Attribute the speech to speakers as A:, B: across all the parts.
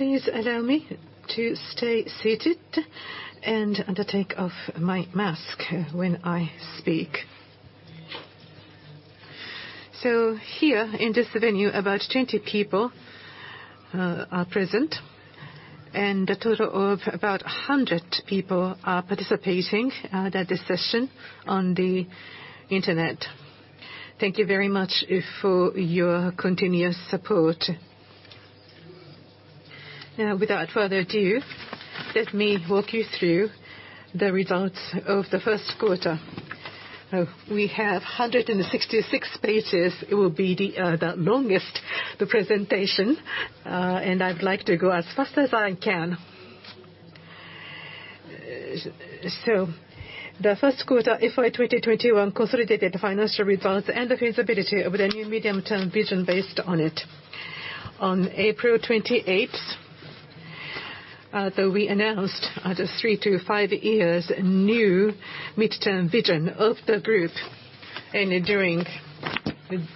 A: Please allow me to stay seated and take off my mask when I speak. Here in this venue, about 20 people are present, and a total of about 100 people are participating at this session on the internet. Thank you very much for your continuous support. Now, without further ado, let me walk you through the results of the first quarter. We have 166 pages. It will be the longest presentation and I'd like to go as fast as I can. The first quarter FY 2021 consolidated financial results and the feasibility of the new medium-term vision based on it. On April 28th, we announced the three to five years new midterm vision of the group. During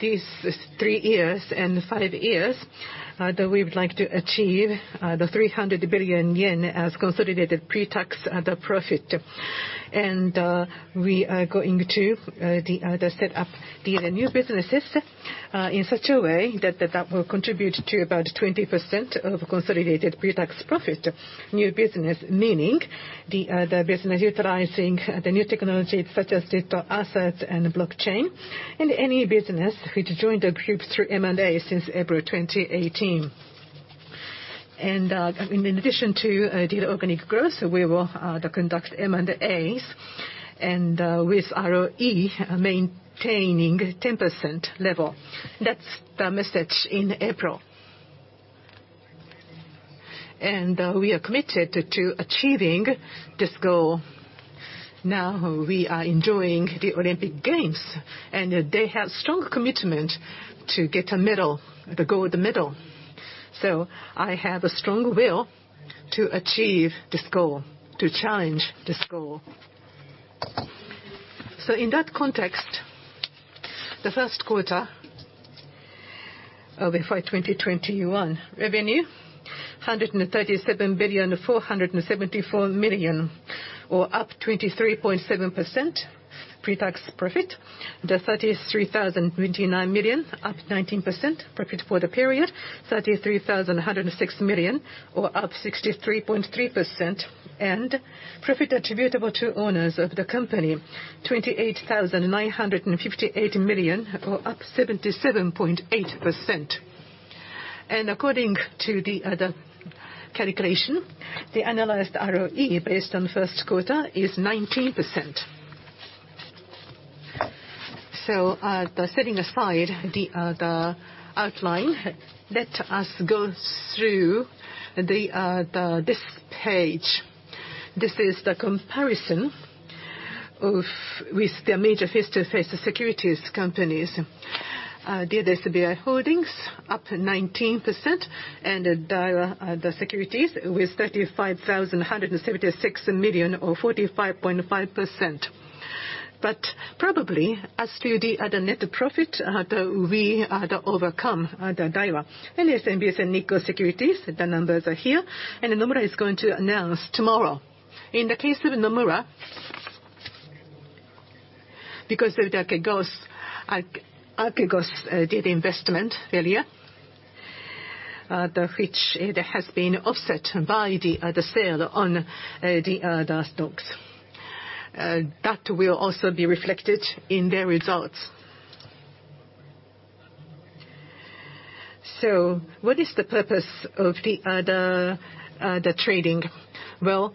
A: these three years and five years that we would like to achieve 300 billion yen as consolidated pre-tax profit. We are going to set up the new businesses in such a way that will contribute to about 20% of consolidated pre-tax profit, new business, meaning the business utilizing the new technology such as digital assets and blockchain, and any business which joined the group through M&A since April 2018. In addition to the organic growth, we will conduct M&As, and with ROE maintaining 10% level, and that's the message in April. We are committed to achieving this goal. Now we are enjoying the Olympic Games, and they have strong commitment to get a medal, the gold medal. I have a strong will to achieve this goal, to challenge this goal. In that context, the first quarter of FY 2021 revenue, 137,474 million, or up 23.7%, pre-tax profit, the 33,029 million, up 19%, profit for the period 33,106 million, or up 63.3%. Profit attributable to owners of the company, 28,958 million, or up 77.8%. According to the calculation, the analyzed ROE based on first quarter is 19%. Setting aside the outline, let us go through this page. This is the comparison with the major face-to-face securities companies. SBI Holdings up 19%, Daiwa Securities with 35,176 million or 45.5%. Probably as to the net profit, we had overcome Daiwa. SMBC Nikko Securities, the numbers are here, and Nomura is going to announce tomorrow. In the case of Nomura, because of the Archegos did investment earlier, which has been offset by the sale on the stocks. That will also be reflected in their results. What is the purpose of the trading? Well,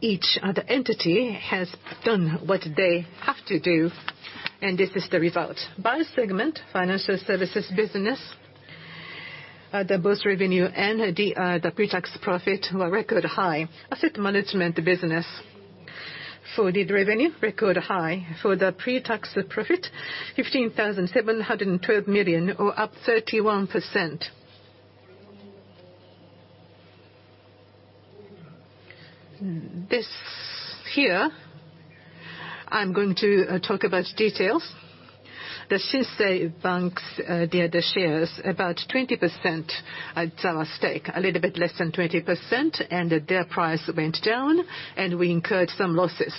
A: each entity has done what they have to do, and this is the result. By segment, financial services business, both revenue and the pre-tax profit were record high. Asset management business, for the revenue, record high. For the pre-tax profit, 15,712 million or up 31%. This here, I'm going to talk about details. The Shinsei Bank's shares, about 20% stake, a little bit less than 20%, and their price went down and we incurred some losses,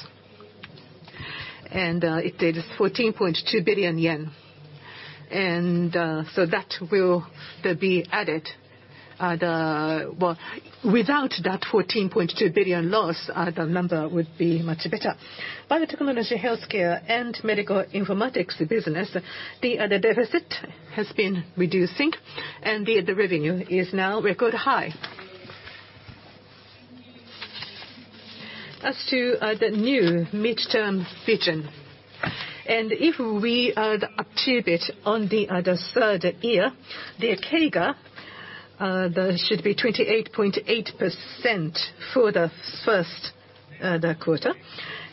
A: and it is 14.2 billion yen, so that will be added. Well, without that 14.2 billion loss, the number would be much better. Biotechnology, healthcare, and medical informatics business, the deficit has been reducing and the revenue is now record high. As to the new midterm vision, and if we achieve it on the third year, the CAGR, that should be 28.8% for the first quarter,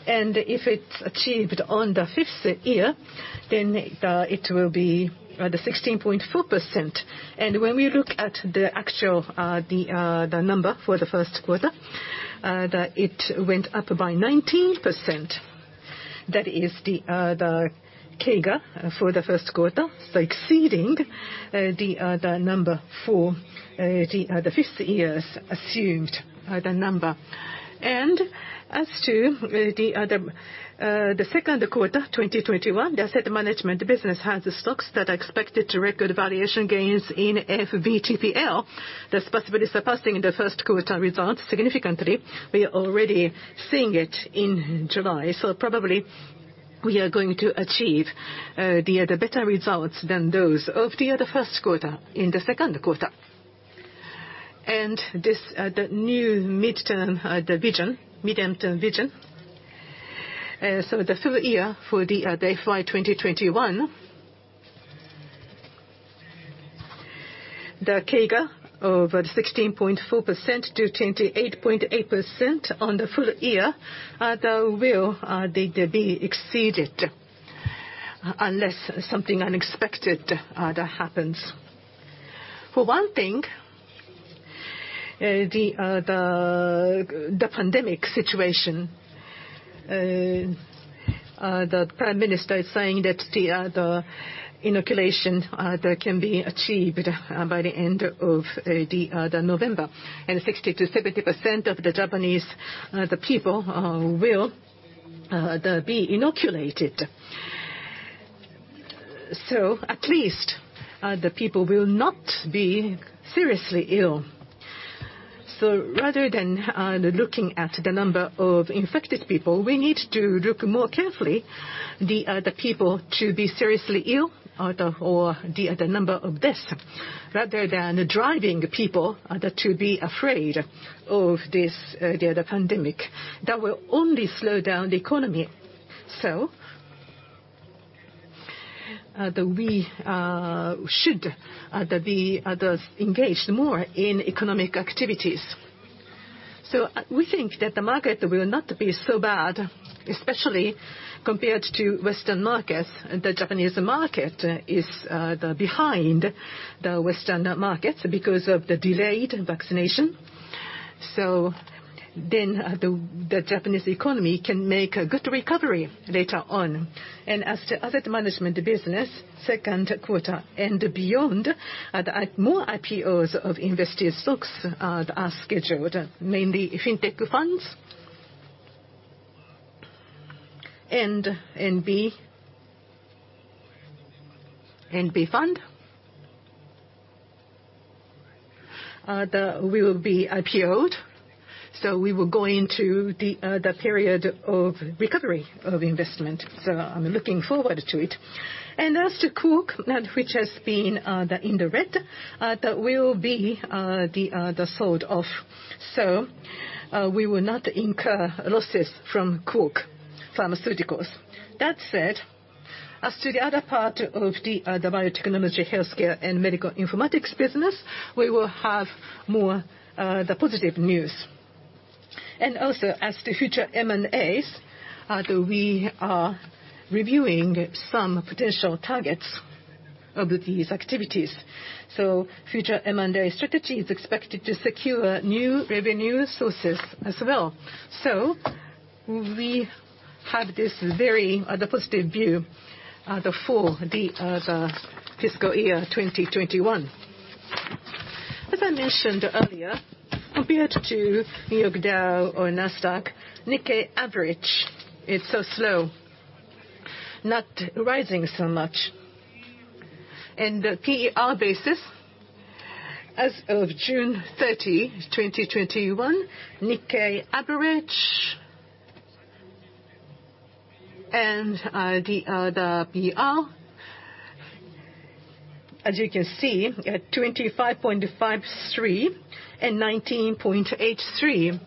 A: and if it's achieved on the fifth year, then it will be 16.4%. When we look at the actual number for the first quarter, it went up by 19%. That is the CAGR for the first quarter, so exceeding the number for the fifth year's assumed number. As to the second quarter, 2021, the asset management business has stocks that are expected to record valuation gains in FVTPL. That's possibly surpassing the first quarter results significantly. We are already seeing it in July. Probably, we are going to achieve better results than those of the first quarter in the second quarter. The new mid-term vision, so the full-year for FY 2021, the CAGR of 16.4% to 28.8% on the full-year, that will be exceeded unless something unexpected happens. For one thing, the pandemic situation, the Prime Minister is saying that the inoculation can be achieved by the end of November, and 60% to 70% of the Japanese people will be inoculated. At least, the people will not be seriously ill. Rather than looking at the number of infected people, we need to look more carefully the people to be seriously ill, or the number of deaths, rather than driving people to be afraid of the pandemic. That will only slow down the economy so we should be engaged more in economic activities. We think that the market will not be so bad, especially compared to Western markets. The Japanese market is behind the Western markets because of the delay in vaccination. The Japanese economy can make a good recovery later on. As to asset management business, second quarter and beyond, more IPOs of invested stocks are scheduled, namely FinTech Fund and NB Fund, will be IPO'd. We will go into the period of recovery of investment so I'm looking forward to it. As to Quark, which has been in the red, that will be the sold-off. We will not incur losses from Quark Pharmaceuticals. That said, as to the other part of the biotechnology, healthcare, and medical informatics business, we will have more positive news. Also, as to future M&As, we are reviewing some potential targets of these activities. Future M&A strategy is expected to secure new revenue sources as well. We have this very positive view for the Fiscal Year 2021. As I mentioned earlier, compared to New York Dow or Nasdaq, Nikkei average, it's so slow, not rising so much. In the PER basis, as of June 30, 2021, Nikkei average and the PER, as you can see, 25.53 and 19.83,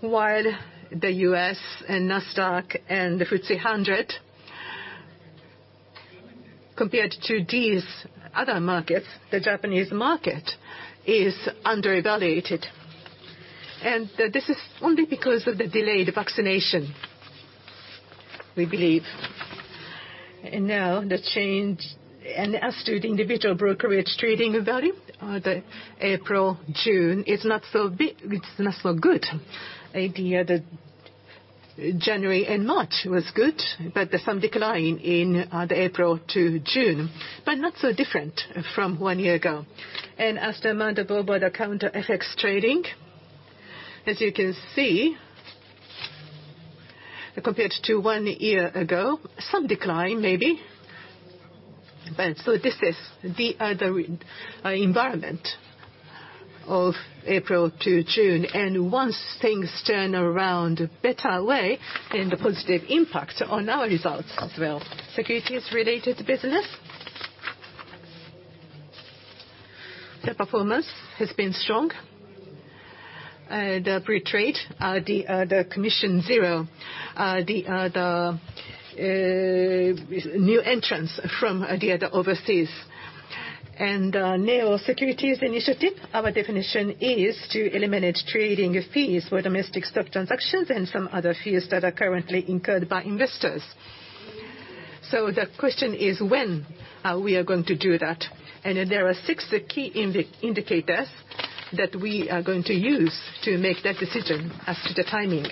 A: while the U.S., Nasdaq, and the FTSE 100, compared to these other markets, the Japanese market is undervalued, and this is only because of the delayed vaccination, we believe. Now on the change, as to the individual brokerage trading value, the April, June is not so good. The January and March was good, but there's some decline in the April to June, but not so different from one year ago. As to amount of over-the-counter FX trading, as you can see, compared to one year ago, some decline maybe. This is the environment of April to June, and once things turn around better way, then the positive impact on our results as well. Securities related business, the performance has been strong. The free trade, the commission zero, the new entrants from overseas. Neo-securities Initiative, our definition is to eliminate trading fees for domestic stock transactions and some other fees that are currently incurred by investors. The question is when are we going to do that? There are six key indicators that we are going to use to make that decision as to the timing.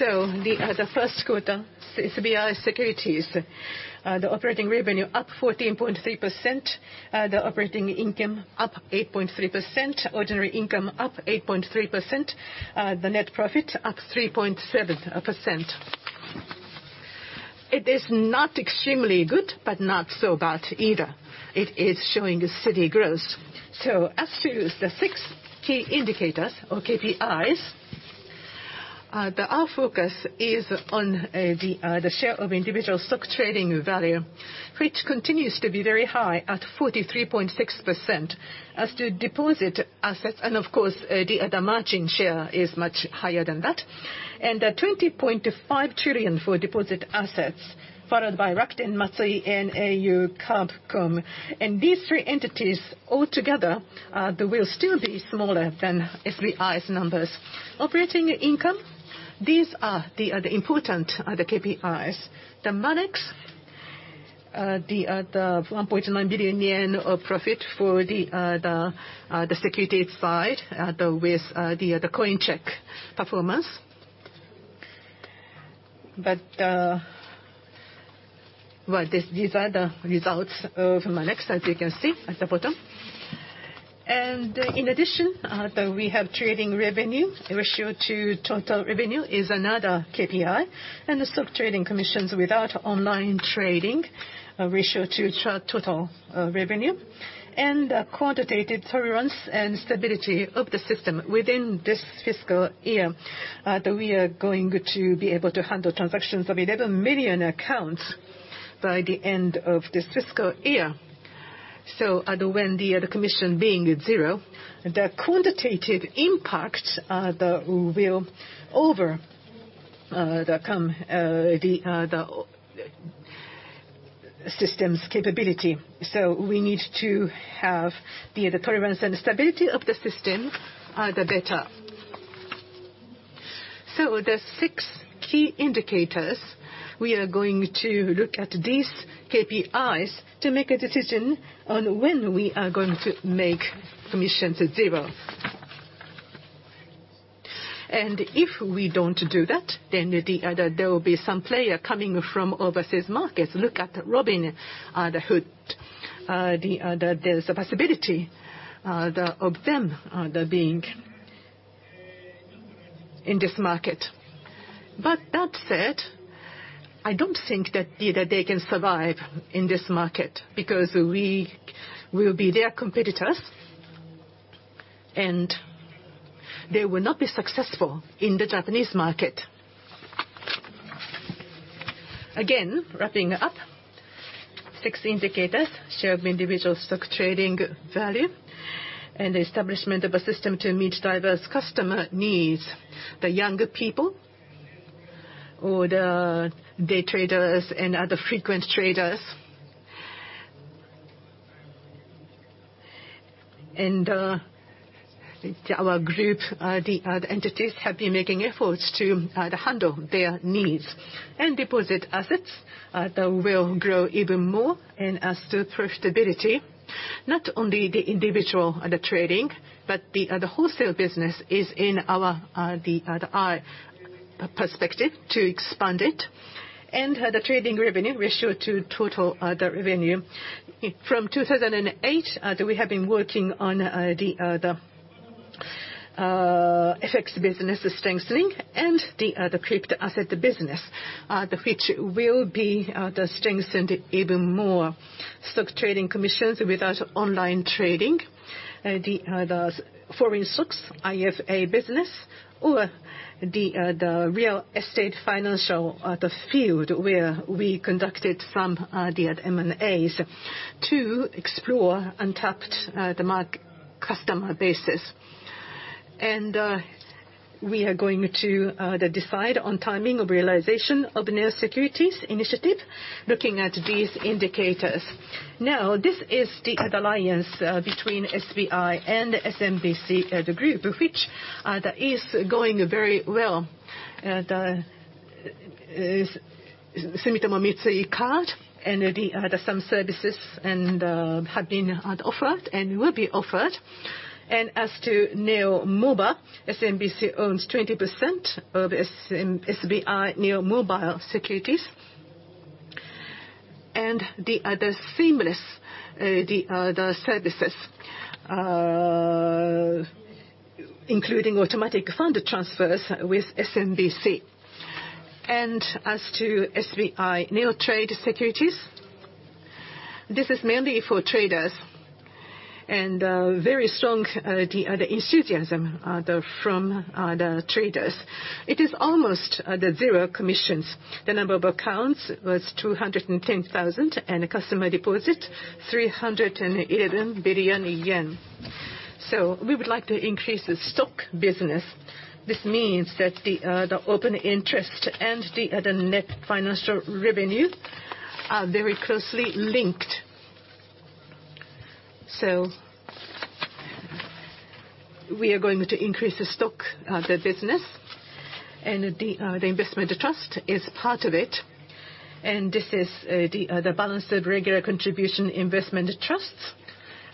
A: The first quarter, SBI Securities, the operating revenue up 14.3%, the operating income up 8.3%, ordinary income up 8.3%, the net profit up 3.7%. It is not extremely good, but not so bad either. It is showing steady growth. As to the six key indicators or KPIs, our focus is on the share of individual stock trading value, which continues to be very high at 43.6% as to deposit assets, and of course, the margin share is much higher than that. 20.5 trillion for deposit assets, followed by Rakuten, Mitsui, and au Kabucom, and these three entities altogether, they will still be smaller than SBI's numbers. Operating income, these are the important KPIs. The Monex, the 1.9 billion yen of profit for the securities side with the Coincheck performance. These are the results of Monex, as you can see at the bottom. In addition, we have trading revenue ratio to total revenue is another KPI, and the stock trading commissions without online trading ratio to total revenue. Quantitative tolerance and stability of the system within this fiscal year, that we are going to be able to handle transactions of 11 million accounts by the end of this fiscal year. When the commission being at zero, the quantitative impact will overcome the system's capability. We need to have the tolerance and stability of the system, the better. The six key indicators, we are going to look at these KPIs to make a decision on when we are going to make commissions zero. If we don't do that, then there will be some player coming from overseas markets. Look at Robinhood, there's a possibility of them being in this market. That said, I don't think that they can survive in this market because we will be their competitors, and they will not be successful in the Japanese market. Again, wrapping up, six indicators, share of individual stock trading value, and the establishment of a system to meet diverse customer needs, the younger people or the day traders and other frequent traders, and our group, the entities have been making efforts to handle their needs. Deposit assets, they will grow even more, and as to profitability, not only the individual trading, but the wholesale business is in our perspective to expand it. The trading revenue ratio to total revenue. From 2008, we have been working on the FX business, the strengthening and the crypto asset business, which will be strengthened even more. Stock trading commissions without online trading, the foreign stocks, IFA business, or the real estate financial field where we conducted some M&As to explore untapped customer bases. We are going to decide on timing of realization of Neo-securities Initiative, looking at these indicators. This is the alliance between SBI and SMBC, the group of which that is going very well. Sumitomo Mitsui Card and some services have been offered and will be offered. As to Neo Mobile, SMBC owns 20% of SBI NEO Mobile Securities. The other seamless services including automatic fund transfers with SMBC. As to SBI Neotrade Securities, this is mainly for traders, and very strong enthusiasm from the traders. It is almost the zero commissions. The number of accounts, that's 210,000, and the customer deposit, 311 billion yen. We would like to increase the stock business. This means that the open interest and the net financial revenue are very closely linked. We are going to increase the stock of the business, and the investment trust is part of it. This is the balance of regular contribution investment trusts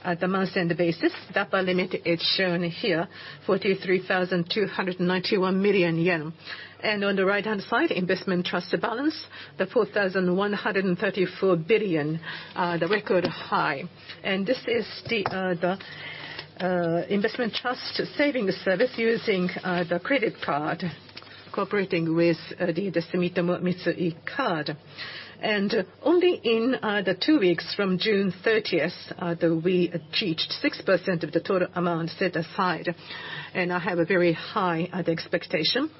A: at the month-end basis, the upper limit is shown here, 43,291 million yen. On the right-hand side, investment trust balance, the 4,134 billion, the record high. This is the investment trust savings service using the credit card, cooperating with the Sumitomo Mitsui Card. Only in the two weeks, from June 30th, that we achieved 6% of the total amount set aside, and I have a very high expectation,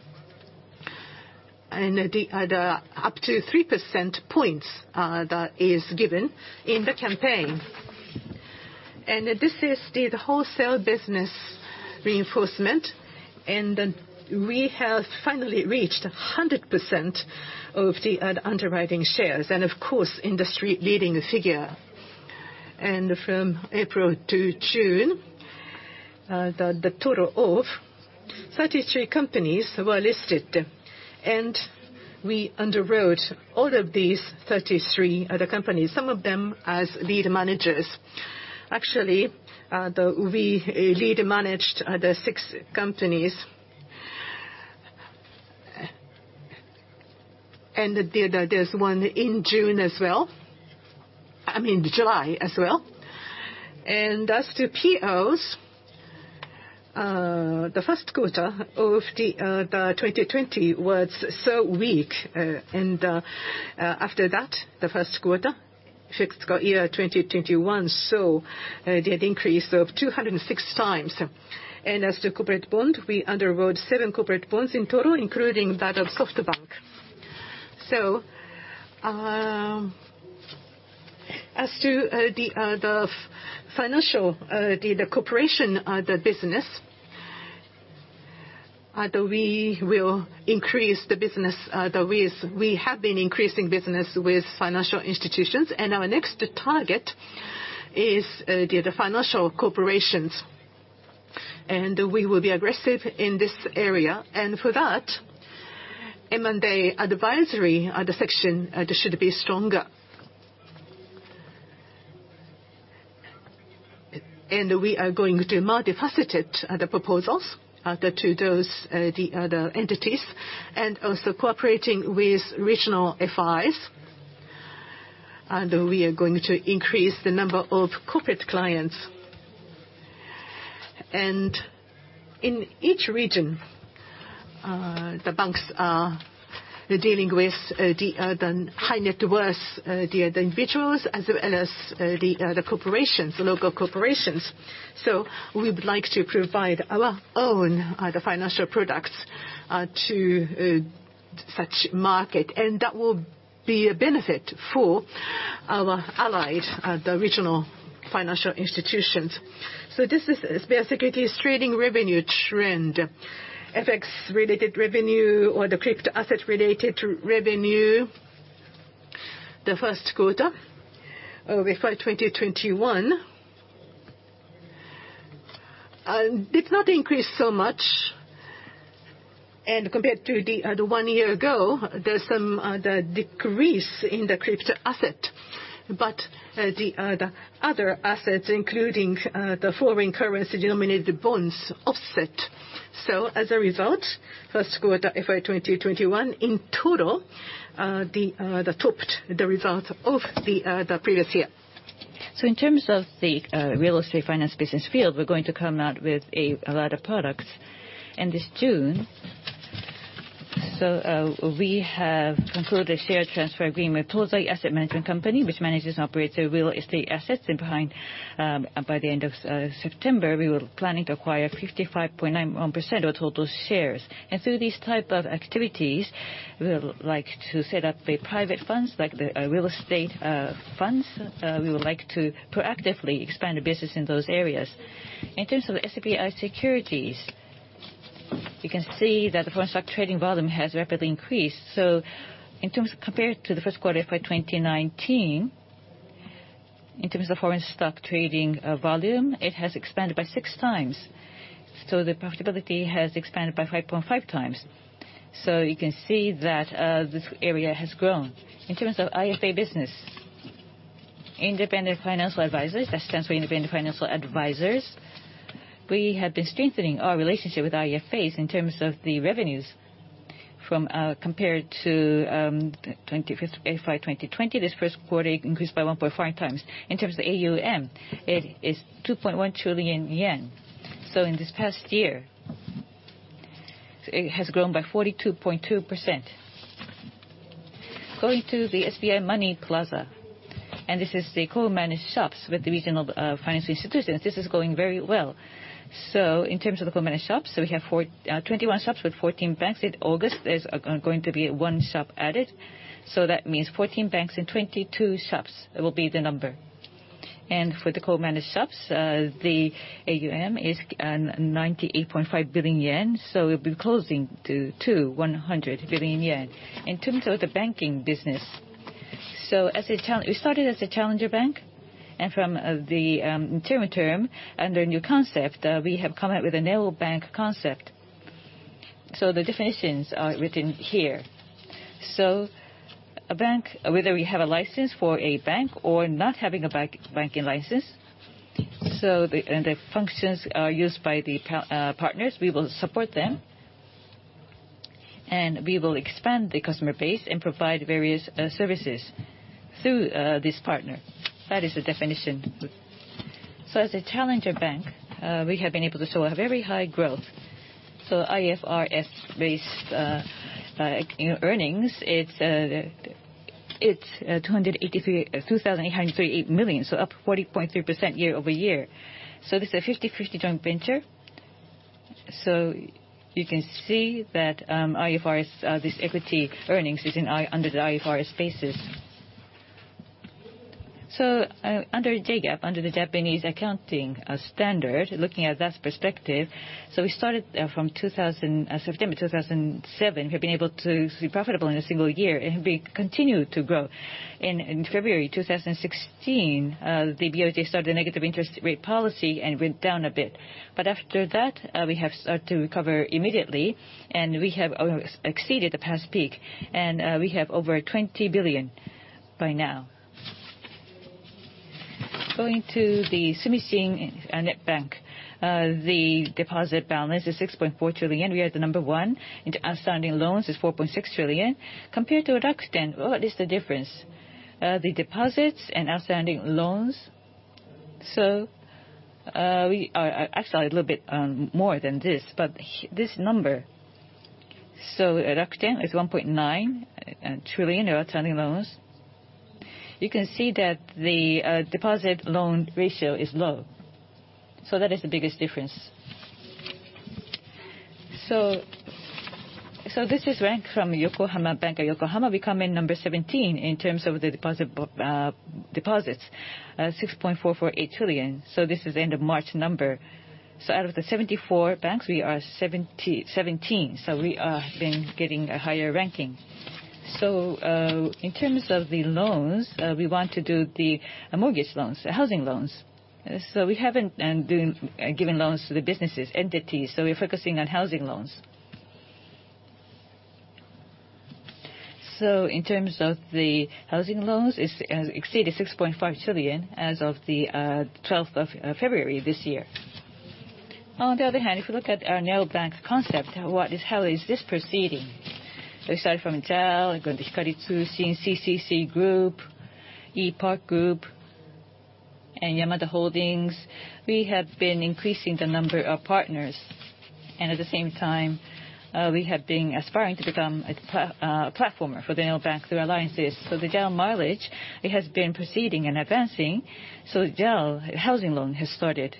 A: up to three percentage points that is given in the campaign, and this is the wholesale business reinforcement. We have finally reached 100% of the underwriting shares, and of course, industry-leading figure. From April to June, the total of 33 companies were listed, and we underwrote all of these 33 other companies, some of them as lead managers. Actually, we lead managed the six companies, and there's one in June as well, I mean July as well. As to POs, the first quarter of 2020 was so weak, and after that, the first quarter, Fiscal Year2021, saw the increase of 206x. As to corporate bond, we underwrote seven corporate bonds in total, including that of SoftBank. As to the financial, the corporation, the business, we will increase the business. We have been increasing business with financial institutions and our next target is the financial corporations. We will be aggressive in this area. For that, M&A advisory section should be stronger, and we are going to do multifaceted proposals to those entities, and also cooperating with regional FIs, and we are going to increase the number of corporate clients. In each region, the banks are dealing with the high-net-worth individuals as well as the corporations, local corporations. We would like to provide our own financial products to such market, and that will be a benefit for our allied regional financial institutions, so this is the securities trading revenue trend. FX-related revenue or the crypto asset-related revenue, the first quarter of FY 2021, did not increase so much. Compared to one year ago, there's some decrease in the crypto asset, but the other assets, including the foreign currency denominated bonds offset. As a result, first quarter FY 2021, in total, topped the result of the previous year. In terms of the real estate finance business field, we're going to come out with a lot of products. This June, we have concluded a shared transfer agreement with Tozai Asset Management Company, which manages and operates real estate assets. By the end of September, we were planning to acquire 55.91% of total shares. Through these type of activities, we'll like to set up private funds, like the real estate funds. We would like to proactively expand the business in those areas. In terms of the SBI Securities, you can see that the foreign stock trading volume has rapidly increased. Compared to the first quarter for 2019, in terms of foreign stock trading volume, it has expanded by 6x. The profitability has expanded by 5.5x. You can see that this area has grown. In terms of IFA business, independent financial advisors, that stands for independent financial advisors, we have been strengthening our relationship with IFAs in terms of the revenues from compared to FY 2020. This first quarter increased by 1.5x. In terms of AUM, it is 2.1 trillion yen. In this past year, it has grown by 42.2%. Going to the SBI Money Plaza, and this is the co-managed shops with the regional finance institutions. This is going very well. In terms of the co-managed shops, so we have 21 shops with 14 banks. In August, there's going to be one shop added. That means 14 banks and 22 shops will be the number. For the co-managed shops, the AUM is 98.5 billion yen, so it'll be closing to 100 billion yen. In terms of the banking business, we started as a challenger bank, and from the interim term, under a new concept, we have come out with a neobank concept. The definitions are written here. A bank, whether we have a license for a bank or not having a banking license, and the functions are used by the partners, we will support them. We will expand the customer base and provide various services through this partner, that is the definition. As a challenger bank, we have been able to show a very high growth. IFRS-based earnings, it's 2,838 million, up 40.3% year-over-year. This is a 50-50 joint venture. You can see that this equity earnings is under the IFRS basis. Under J-GAAP, under the Japanese accounting standard, looking at that perspective, we started from September 2017. We've been able to be profitable in a single year. We continue to grow. In February 2016, the BOJ started a negative interest rate policy and went down a bit. After that, we have started to recover immediately, and we have exceeded the past peak, and we have over 20 billion by now. Going to the SBI Sumishin Net Bank, the deposit balance is 6.4 trillion, and we are the number one. Outstanding loans is 4.6 trillion. Compared to Rakuten, what is the difference? The deposits and outstanding loans, so actually a little bit more than this, but this number. Rakuten is 1.9 trillion of outstanding loans. You can see that the deposit loan ratio is low so that is the biggest difference. This is ranked from The Bank of Yokohama. The Bank of Yokohama became number 17 in terms of the deposits, 6.448 trillion so this is end of March number. Out of the 74 banks, we are 17, we have been getting a higher ranking. In terms of the loans, we want to do the mortgage loans, the housing loans. We haven't been giving loans to the businesses entities, so we're focusing on housing loans. In terms of the housing loans, it has exceeded 6.5 trillion as of the 12th of February this year. On the other hand, if you look at our neobank concept, how is this proceeding? We started from JAL, going to Hikari Tsushin, CCC Group, ePARK Group, and Yamada Holdings. We have been increasing the number of partners, and at the same time, we have been aspiring to become a platformer for the neobank through alliances. The JAL mileage, it has been proceeding and advancing. JAL housing loan has started.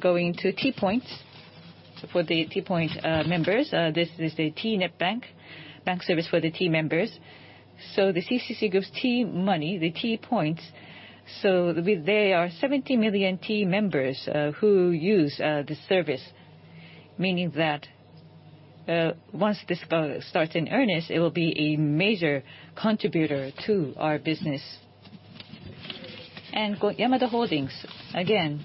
A: Going to T-Points for the T-Point members, this is the T net bank, bank service for the T members, the CCC gives T-Money, the T-Points. There are 70 million T members who use this service, meaning that once this starts in earnest, it will be a major contributor to our business. Yamada Holdings, again.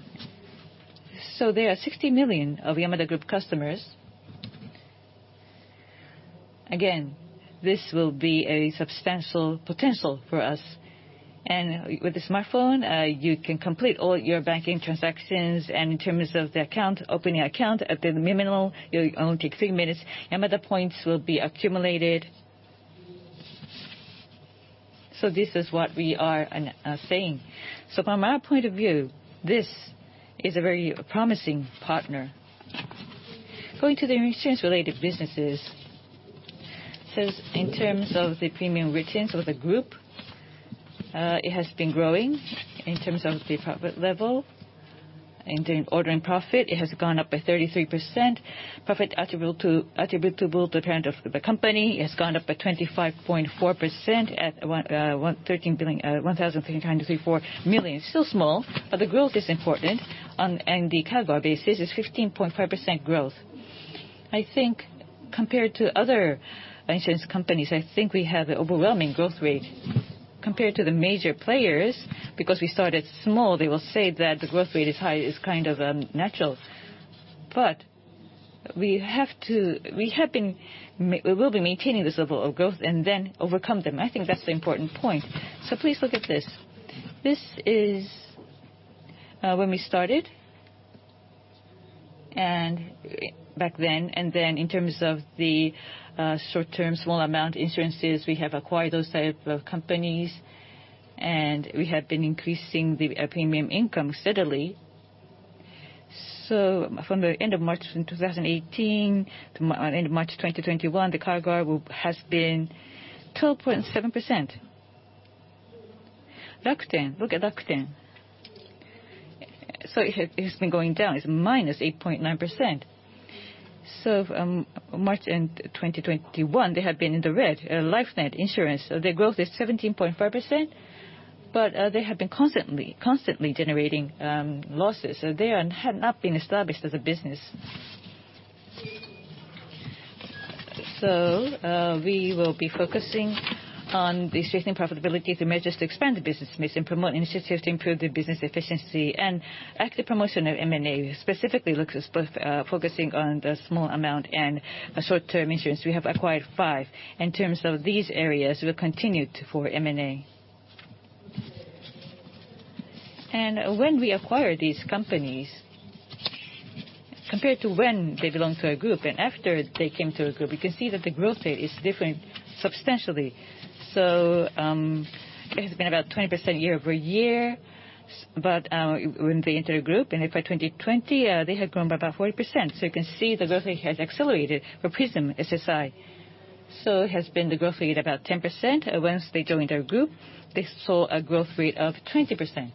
A: There are 60 million of Yamada Group customers. Again, this will be a substantial potential for us. With the smartphone, you can complete all your banking transactions, and in terms of opening account at the minimum, it only takes three minutes, and other points will be accumulated. This is what we are saying. From our point of view, this is a very promising partner. Going to the insurance-related businesses, in terms of the premium written for the group, it has been growing. In terms of the profit level and in ordering profit, it has gone up by 33%. Profit attributable to parent of the company, has gone up by 25.4%, at 1,334 million, still small, but the growth is important, and the CARG basis is 15.5% growth. I think compared to other insurance companies, I think we have the overwhelming growth rate compared to the major players, because we started small, they will say that the growth rate is high is kind of natural. We will be maintaining this level of growth and then overcome them. I think that's the important point. Please look at this. This is when we started back then, and then in terms of the short-term small amount insurances, we have acquired those type of companies, and we have been increasing the premium income steadily. From the end of March 2018 to end of March 2021, the CAR/GAR has been 12.7%. Rakuten, look at Rakuten, it has been going down. It's -8.9%, so March end 2021, they have been in the red. Lifenet Insurance, their growth is 17.5%, but they have been constantly generating losses. They had not been established as a business. We will be focusing on the strengthening profitability through measures to expand the business mix and promote initiatives to improve the business efficiency and active promotion of M&A, specifically looks at both focusing on the small amount and short-term insurance. We have acquired five. In terms of these areas, we'll continue to for M&A. When we acquire these companies, compared to when they belong to a group and after they came to a group, you can see that the growth rate is different substantially. It has been about 20% year-over-year. When they enter the group in FY 2020, they had grown by about 40%. You can see the growth rate has accelerated for Prism SSI, so it has been the growth rate about 10%, and once they joined our group, they saw a growth rate of 20%.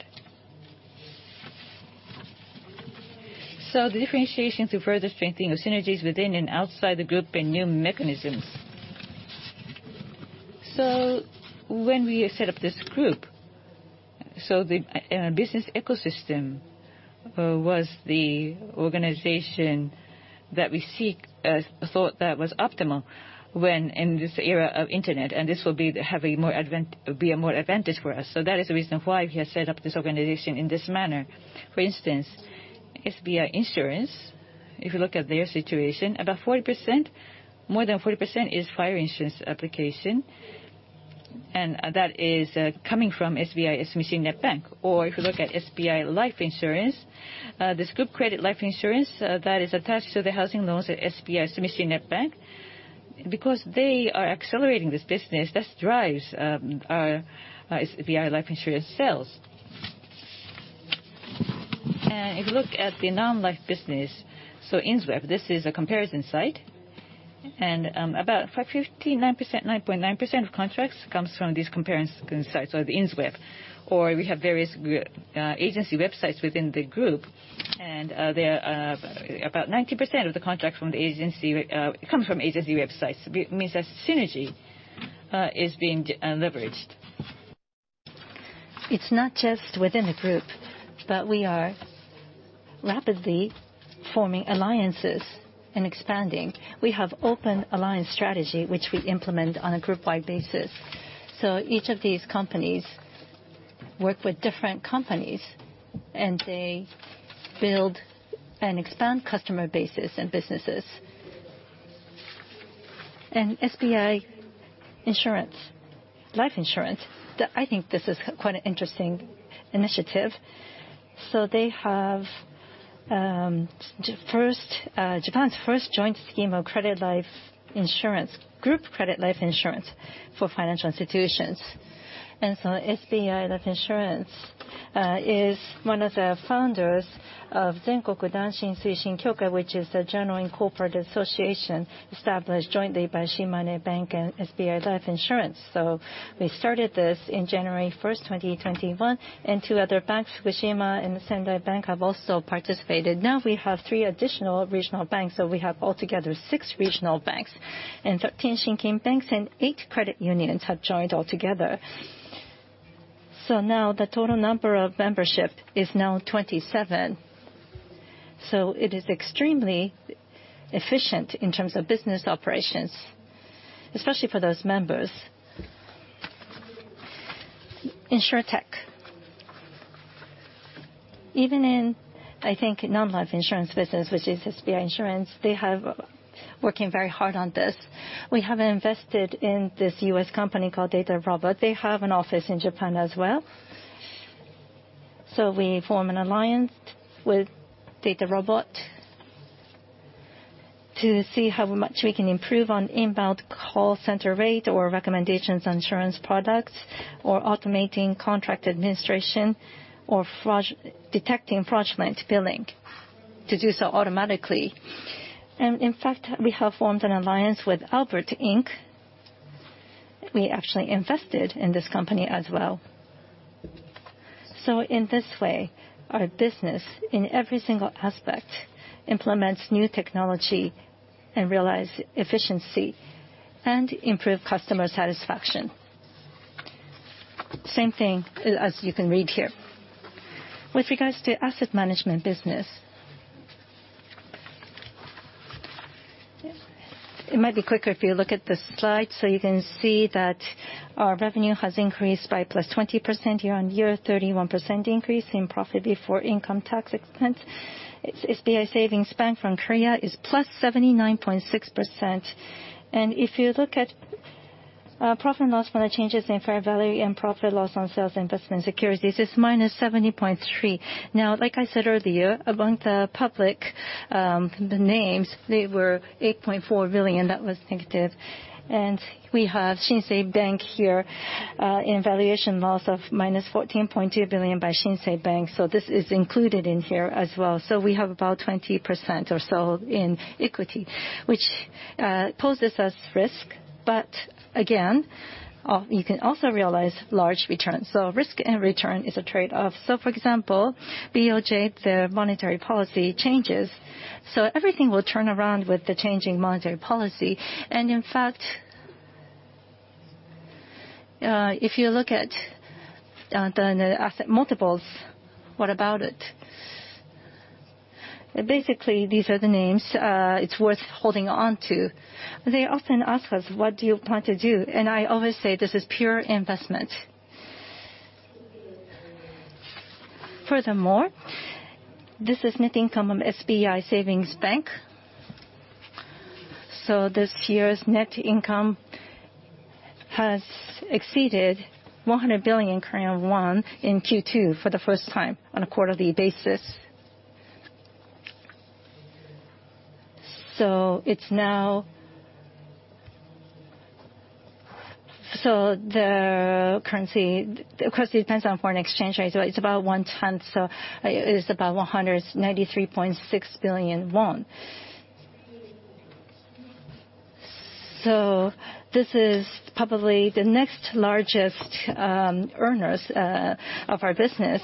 A: The differentiation through further strengthening of synergies within and outside the group and new mechanisms. When we set up this group, so the business ecosystem was the organization that we thought that was optimal when in this era of internet, and this will be a more advantage for us. That is the reason why we have set up this organization in this manner. For instance, SBI Insurance, if you look at their situation, about 40%, more than 40% is fire insurance application, and that is coming from SBI Sumishin Net Bank. If you look at SBI Life Insurance, this group credit life insurance that is attached to the housing loans at SBI Sumishin Net Bank, because they are accelerating this business, that drives our SBI Life Insurance sales. If you look at the non-life business, InsWeb, this is a comparison site, and about 59.9% of contracts comes from these comparison sites or the InsWeb. We have various agency websites within the group, and about 90% of the contracts from the agency, it comes agency websites. It means that synergy is being leveraged. It's not just within the group, but we are rapidly forming alliances and expanding. We have open alliance strategy, which we implement on a group-wide basis. Each of these companies work with different companies, and they build and expand customer bases and businesses. SBI Life Insurance, I think this is quite an interesting initiative. They have Japan's first joint scheme of credit life insurance, group credit life insurance for financial institutions. SBI Life Insurance is one of the founders of Zenkoku Danshin and Suishin Kyokai, which is a general incorporated association established jointly by Shimane Bank and SBI Life Insurance. We started this in January 1st, 2021, and two other banks, Fukushima Bank and Sendai Bank, have also participated. Now, we have three additional regional banks, so we have altogether six regional banks. 13 Shinkin banks and eight credit unions have joined altogether. Now the total number of membership is now 27. It is extremely efficient in terms of business operations, especially for those members. Insurtech, even in, I think, non-life insurance business, which is SBI Insurance, they have working very hard on this. We have invested in this U.S. company called DataRobot. They have an office in Japan as well. We form an alliance with DataRobot to see how much we can improve on inbound call center rate or recommendations insurance products or automating contract administration or detecting fraudulent billing to do so automatically. In fact, we have formed an alliance with Albert, Inc. We actually invested in this company as well. In this way, our business in every single aspect implements new technology and realize efficiency and improve customer satisfaction, the same thing as you can read here. With regards to asset management business, it might be quicker if you look at the slide. You can see that our revenue has increased by +20% year-on-year, 31% increase in profit before income tax expense. SBI Savings Bank from Korea is +79.6%. If you look at profit and loss from the changes in fair value and profit loss on sales of investment securities is -70.3%. Like I said earlier, among the public, the names, they were 8.4 billion, and that was negative. We have Shinsei Bank here in valuation loss of -14.2 billion by Shinsei Bank. This is included in here as well. We have about 20% or so in equity, which poses as risk, but again, you can also realize large returns, so risk and return is a trade-off. For example, BOJ, the monetary policy changes. Everything will turn around with the changing monetary policy. In fact, if you look at the asset multiples, what about it? Basically, these are the names it's worth holding on to. They often ask us: what do you want to do? I always say: this is pure investment. Furthermore, this is net income of SBI Savings Bank. This year's net income has exceeded 100 billion Korean won in Q2 for the first time on a quarterly basis. Of course, it depends on foreign exchange rates, but it's about 1/10, so it's about 193.6 billion won. This is probably the next largest earners of our business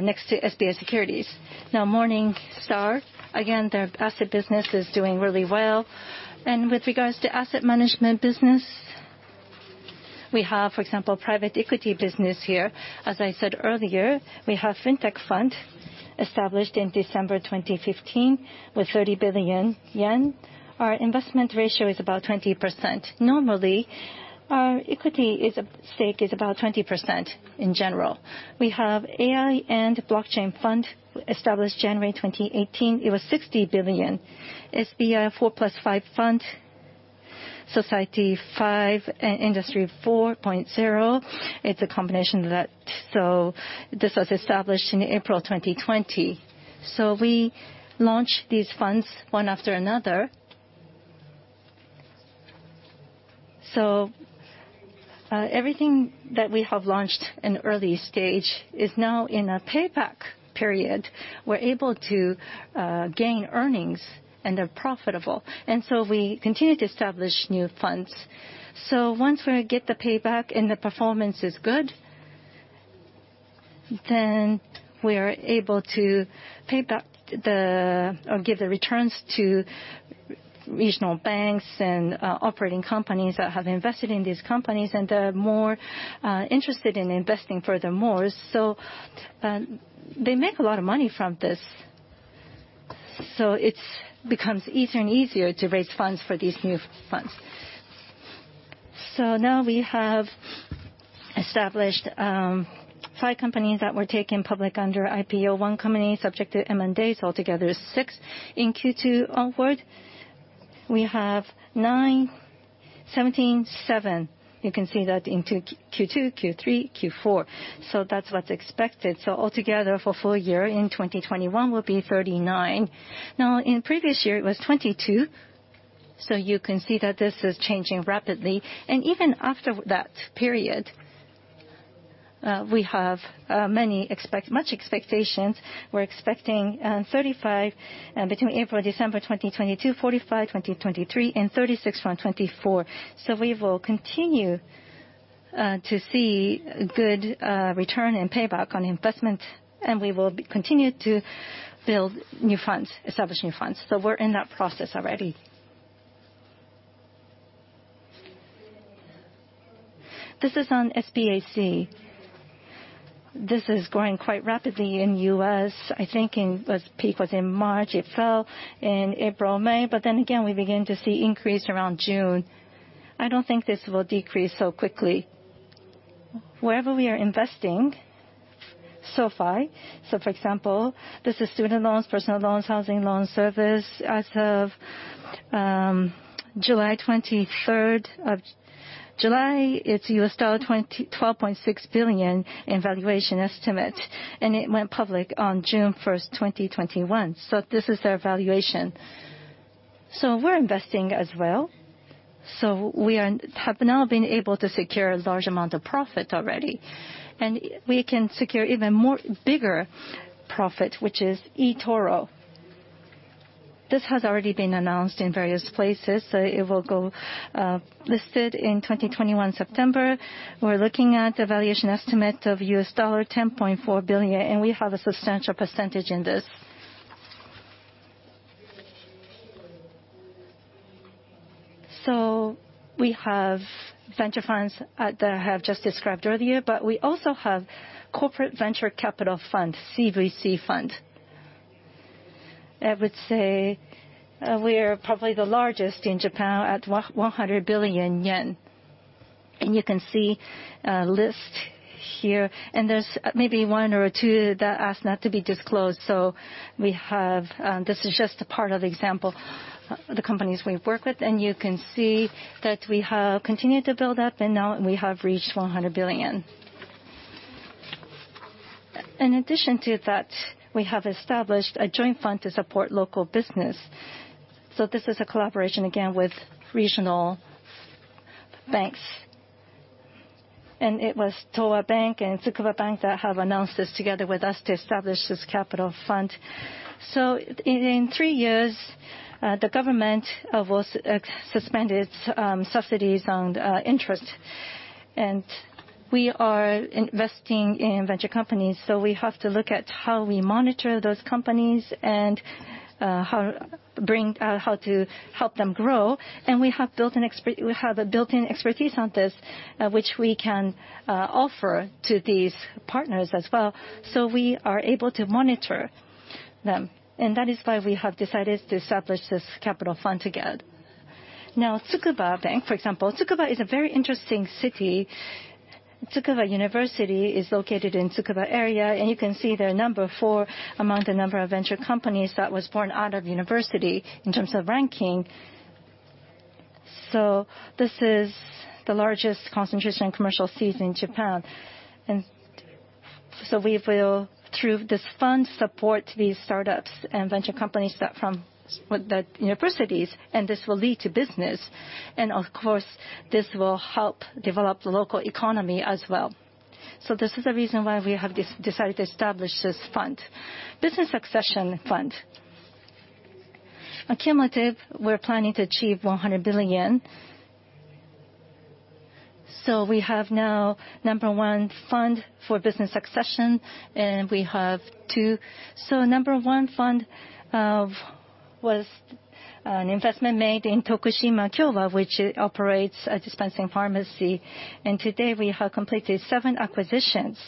A: next to SBI Securities. Morningstar, again, their asset business is doing really well. With regards to asset management business, we have, for example, private equity business here. As I said earlier, we have Fintech Fund established in December 2015 with 30 billion yen. Our investment ratio is about 20%. Normally, our equity stake is about 20% in general. We have AI and Blockchain Fund established January 2018. It was 60 billion. SBI 4+5 Fund, Society 5.0 and Industry 4.0, it's a combination of that. This was established in April 2020. We launched these funds one after another. Everything that we have launched in early stage is now in a payback period. We're able to gain earnings and are profitable. We continue to establish new funds. Once we get the payback and the performance is good, then we are able to pay back or give the returns to regional banks and operating companies that have invested in these companies, and they're more interested in investing furthermore. They make a lot of money from this, so it becomes easier and easier to raise funds for these new funds. Now we have established five companies that were taken public under IPO, one company subject to M&As, altogether, six. In Q2 onward, we have nine, 17, seven, you can see that in Q2, Q3, Q4, that's what's expected, so altogether for full-year in 2021 will be 39. Now in previous year, it was 22, so you can see that this is changing rapidly. Even after that period, we have much expectations. We're expecting 35, between April and December 2022, 45 in 2023, and 36 for 2024. We will continue to see good return and payback on investment, and we will continue to build new funds, establish new funds. We're in that process already. This is on SPAC. This is growing quite rapidly in U.S. I think peak was in March, it fell in April, May, but then again, we begin to see increase around June. I don't think this will decrease so quickly. Wherever we are investing so far. For example, this is student loans, personal loans, housing loans service. As of July 23rd of, July, it's $12.6 billion in valuation estimate. It went public on June 1st, 2021. This is their valuation. We're investing as well. We have now been able to secure a large amount of profit already. We can secure even more bigger profit, which is eToro. This has already been announced in various places. It will go listed in 2021, September. We're looking at a valuation estimate of $10.4 billion and we have a substantial percentage in this. We have venture funds that I have just described earlier, but we also have corporate venture capital funds, CVC fund. I would say we are probably the largest in Japan at 100 billion yen. You can see a list here, and there's maybe one or two that asked not to be disclosed. This is just a part of the example of the companies we've worked with, and you can see that we have continued to build up, and now we have reached 100 billion. In addition to that, we have established a joint fund to support local business. This is a collaboration, again, with regional banks. It was The Towa Bank, Ltd. and Tsukuba Bank, Ltd. that have announced this together with us to establish this capital fund. In three years, the government will suspend its subsidies on interest. We are investing in venture companies, so we have to look at how we monitor those companies, and how to help them grow. We have a built-in expertise on this, which we can offer to these partners as well. We are able to monitor them and that is why we have decided to establish this capital fund together. Now Tsukuba Bank, for example, Tsukuba is a very interesting city. University of Tsukuba is located in Tsukuba area, and you can see they're number four among the number of venture companies that was born out of university in terms of ranking. This is the largest concentration of commercial seeds in Japan. We will, through this fund, support these startups and venture companies from the universities, and this will lead to business. Of course, this will help develop the local economy as well. This is the reason why we have decided to establish this fund. Business succession fund. Cumulative, we're planning to achieve 100 billion. We have now number one fund for business succession, and we have two. Number one fund was an investment made in Tokushima Kyowa, which operates a dispensing pharmacy, and today we have completed seven acquisitions.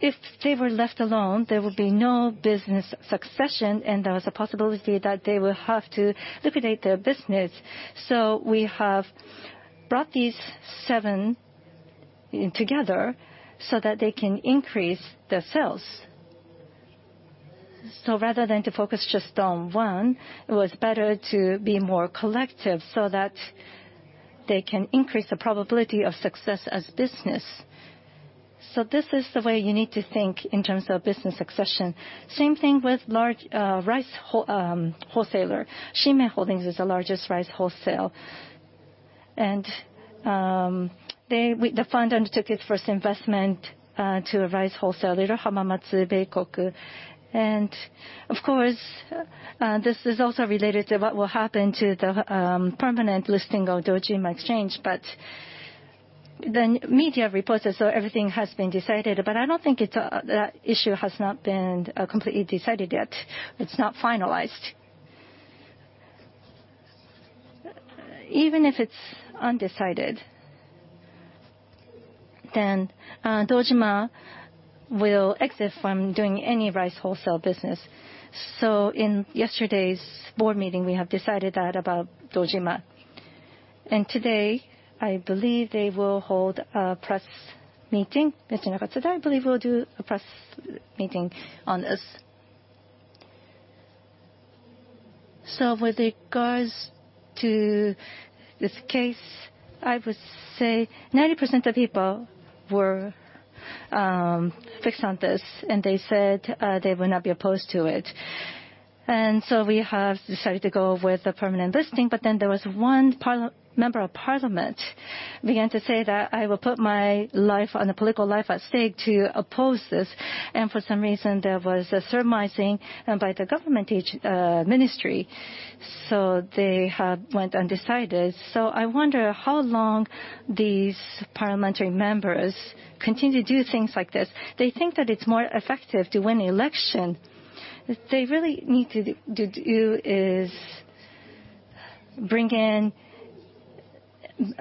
A: If they were left alone, there would be no business succession, and there was a possibility that they will have to liquidate their business. We have brought these seven in together so that they can increase their sales. Rather than to focus just on one, it was better to be more collective, so that they can increase the probability of success as business. This is the way you need to think in terms of business succession, same thing with large rice wholesaler. Shinmei Holdings is the largest rice wholesale. The fund undertook its first investment to a rice wholesaler, Hamamatsu Beikoku. Of course, this is also related to what will happen to the permanent listing of Dojima Exchange, but the media reports as though everything has been decided, but I don't think that issue has not been completely decided yet. It's not finalized. Even if it's undecided, then Dojima will exit from doing any rice wholesale business. In yesterday's board meeting, we have decided that about Dojima. Today, I believe they will hold a press meeting. Mr. Nakatsuka, I believe will do a press meeting on this. With regards to this case, I would say 90% of people were fixed on this, and they said they would not be opposed to it. We have decided to go with the permanent listing. There was one member of Parliament began to say that, I will put my political life at stake to oppose this. For some reason, there was a surmising by the government ministry. They had went undecided. I wonder how long these parliamentary members continue to do things like this. They think that it is more effective to win the election. They really need to do is bring in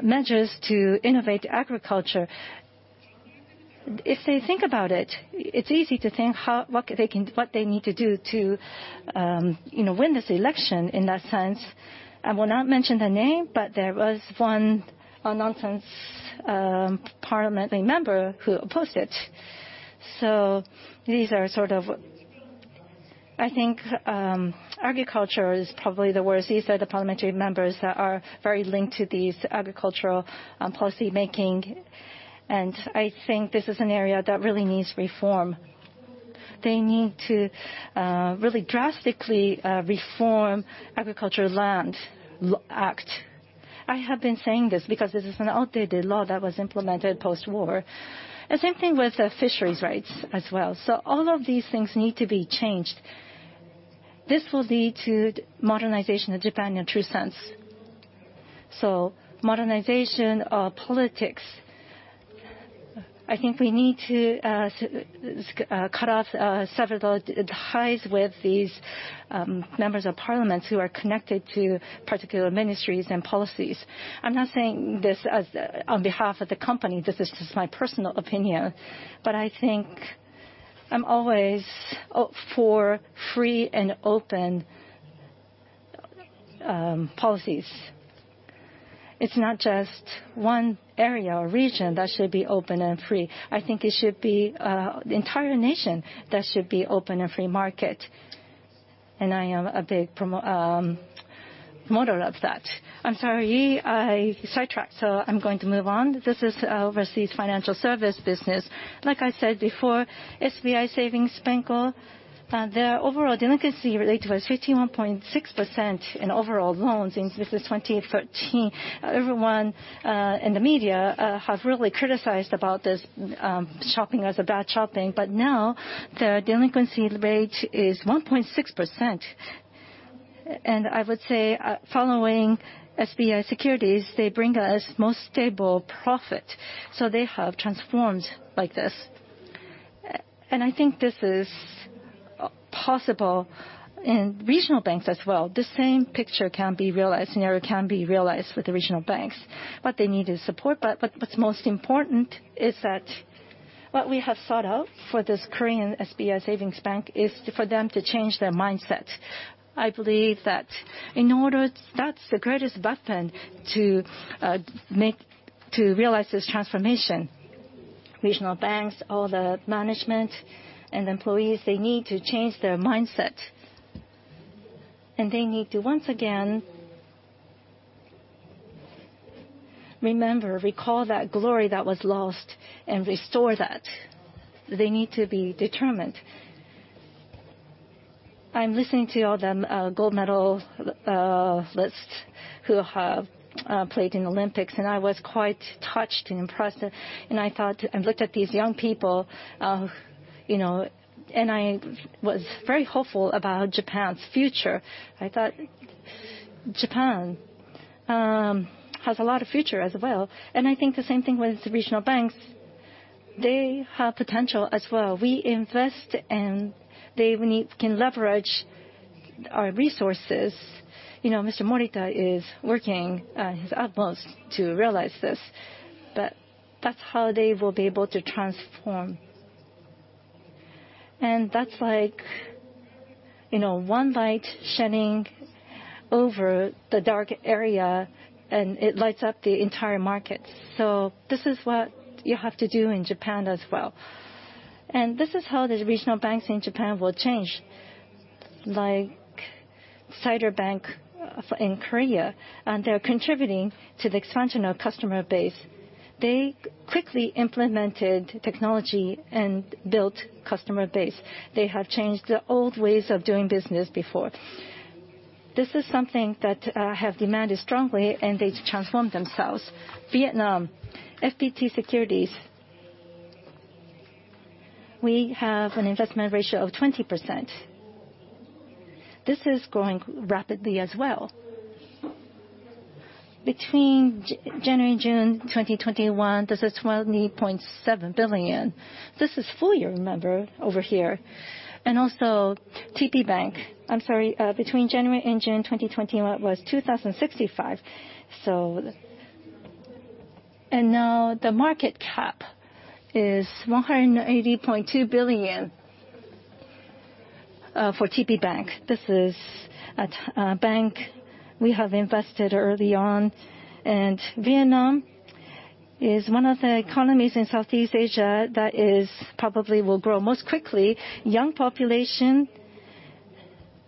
A: measures to innovate agriculture. If they think about, it is easy to think what they need to do to win this election in that sense. I will not mention the name but there was one nonsense parliamentary member who opposed it. These are, I think, agriculture is probably the worst. These are the parliamentary members that are very linked to these agricultural policymaking, I think this is an area that really needs reform. They need to really drastically reform Agricultural Land Act. I have been saying this because this is an outdated law that was implemented post-war. The same thing with the fisheries rights as well. All of these things need to be changed. This will lead to modernization of Japan in true sense. Modernization of politics, I think we need to cut off several ties with these members of Parliament who are connected to particular ministries and policies. I am not saying this on behalf of the company. This is just my personal opinion. I think I am always for free and open policies. It is not just one area or region that should be open and free. I think it should be the entire nation that should be open and free market and I am a big model of that. I'm sorry. I sidetracked. I'm going to move on. This is overseas financial service business. Like I said before, SBI Savings Bank, their overall delinquency rate was 51.6% in overall loans in business 2013. Everyone in the media have really criticized about this shopping as a bad shopping. Now their delinquency rate is 1.6%. I would say following SBI Securities, they bring us more stable profit. They have transformed like this. I think this is possible in regional banks as well. The same picture can be realized, scenario can be realized with the regional banks. What they need is support. What's most important is that what we have sought out for this SBI Savings Bank is for them to change their mindset. I believe that that's the greatest weapon to realize this transformation. Regional banks, all the management and employees, they need to change their mindset. They need to, once again, remember, recall that glory that was lost and restore that. They need to be determined. I'm listening to all the gold medalists who have played in Olympics and I was quite touched and impressed. I thought and looked at these young people, and I was very hopeful about Japan's future. I thought Japan has a lot of future as well and I think the same thing with the regional banks. They have potential as well. We invest and they can leverage our resources. Mr. Morita is working his utmost to realize this, but that's how they will be able to transform. That's like one light shining over the dark area, and it lights up the entire market. This is what you have to do in Japan as well. This is how the regional banks in Japan will change, like SBI Savings Bank in Korea, and they're contributing to the expansion of customer base. They quickly implemented technology and built customer base. They have changed the old ways of doing business before. This is something that I have demanded strongly, and they transformed themselves. Vietnam, FPT Securities. We have an investment ratio of 20%. This is growing rapidly as well. Between January and June 2021, this is 12.7 billion. This is full year, remember, over here. Also TP Bank, I'm sorry, between January and June 2021 was 2,065. Now the market cap is 180.2 billion for TPBank. This is a bank we have invested early on. Vietnam is one of the economies in Southeast Asia that probably will grow most quickly, young population,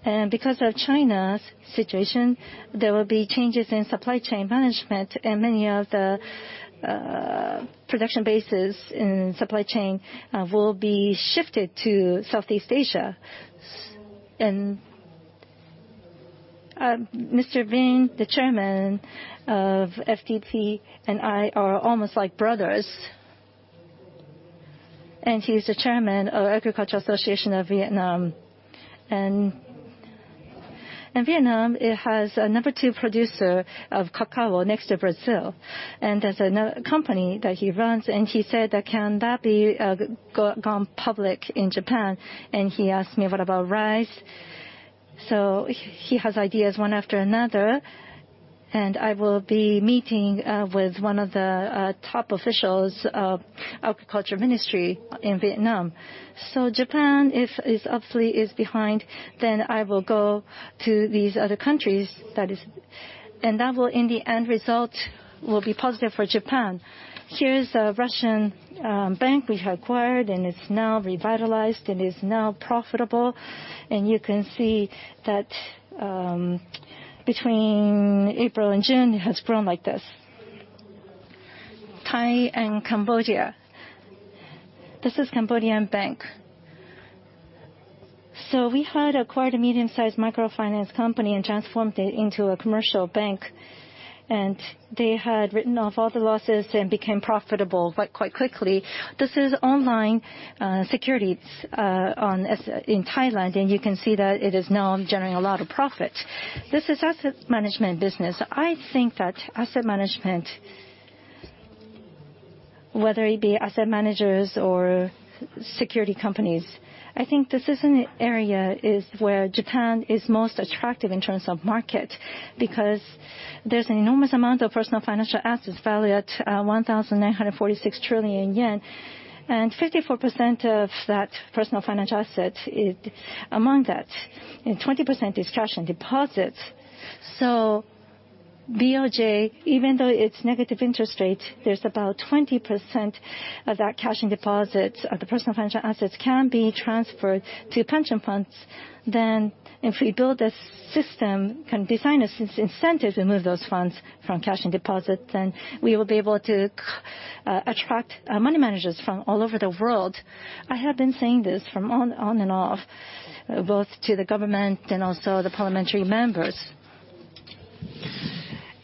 A: and because of China's situation, there will be changes in supply chain management, and many of the production bases in supply chain will be shifted to Southeast Asia. Mr. Binh, the Chairman of FPT Corporation, and I are almost like brothers. He's the Chairman of Agriculture Association of Vietnam. Vietnam, it has a number two producer of cacao next to Brazil, and there's another company that he runs, and he said that, "Can that gone public in Japan?" He asked me what about rice. He has ideas one after another, and I will be meeting with one of the top officials of Agriculture Ministry in Vietnam. Japan, if it obviously is behind, then I will go to these other countries, and that will in the end result will be positive for Japan. Here is a Russian bank we have acquired, and it is now revitalized, and is now profitable. You can see that between April and June, it has grown like this. Thai and Cambodia, this is Cambodian Bank. We had acquired a medium-sized microfinance company and transformed it into a commercial bank. They had written off all the losses and became profitable, but quite quickly. This is online securities in Thailand and you can see that it is now generating a lot of profit. This is asset management business. I think that asset management, whether it be asset managers or security companies, I think this is an area where Japan is most attractive in terms of market, because there's an enormous amount of personal financial assets valued at 1,946 trillion yen, and 54% of that personal financial asset is among that, and 20% is cash and deposits. BOJ, even though it's negative interest rate, there's about 20% of that cash and deposits of the personal financial assets can be transferred to pension funds. If we build a system, can design a system, incentives to move those funds from cash and deposits, then we will be able to attract money managers from all over the world. I have been saying this from on and off, both to the government and also the parliamentary members.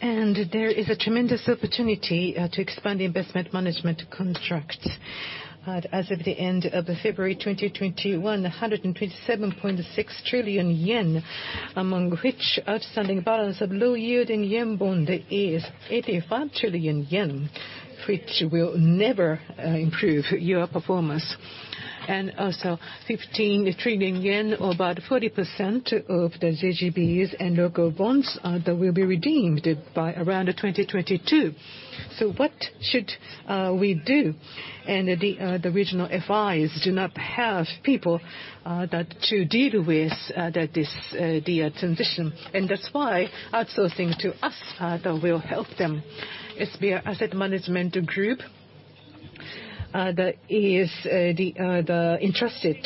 A: There is a tremendous opportunity to expand the investment management contract. As of the end of February 2021, 127.6 trillion yen, among which outstanding balance of low yielding yen bond is 85 trillion yen, which will never improve your performance. Also, 15 trillion yen or about 40% of the JGBs and local bonds that will be redeemed by around 2022. What should we do? The regional FIs do not have people to deal with this transition and that's why outsourcing to us that will help them. SBI Asset Management Group that is interested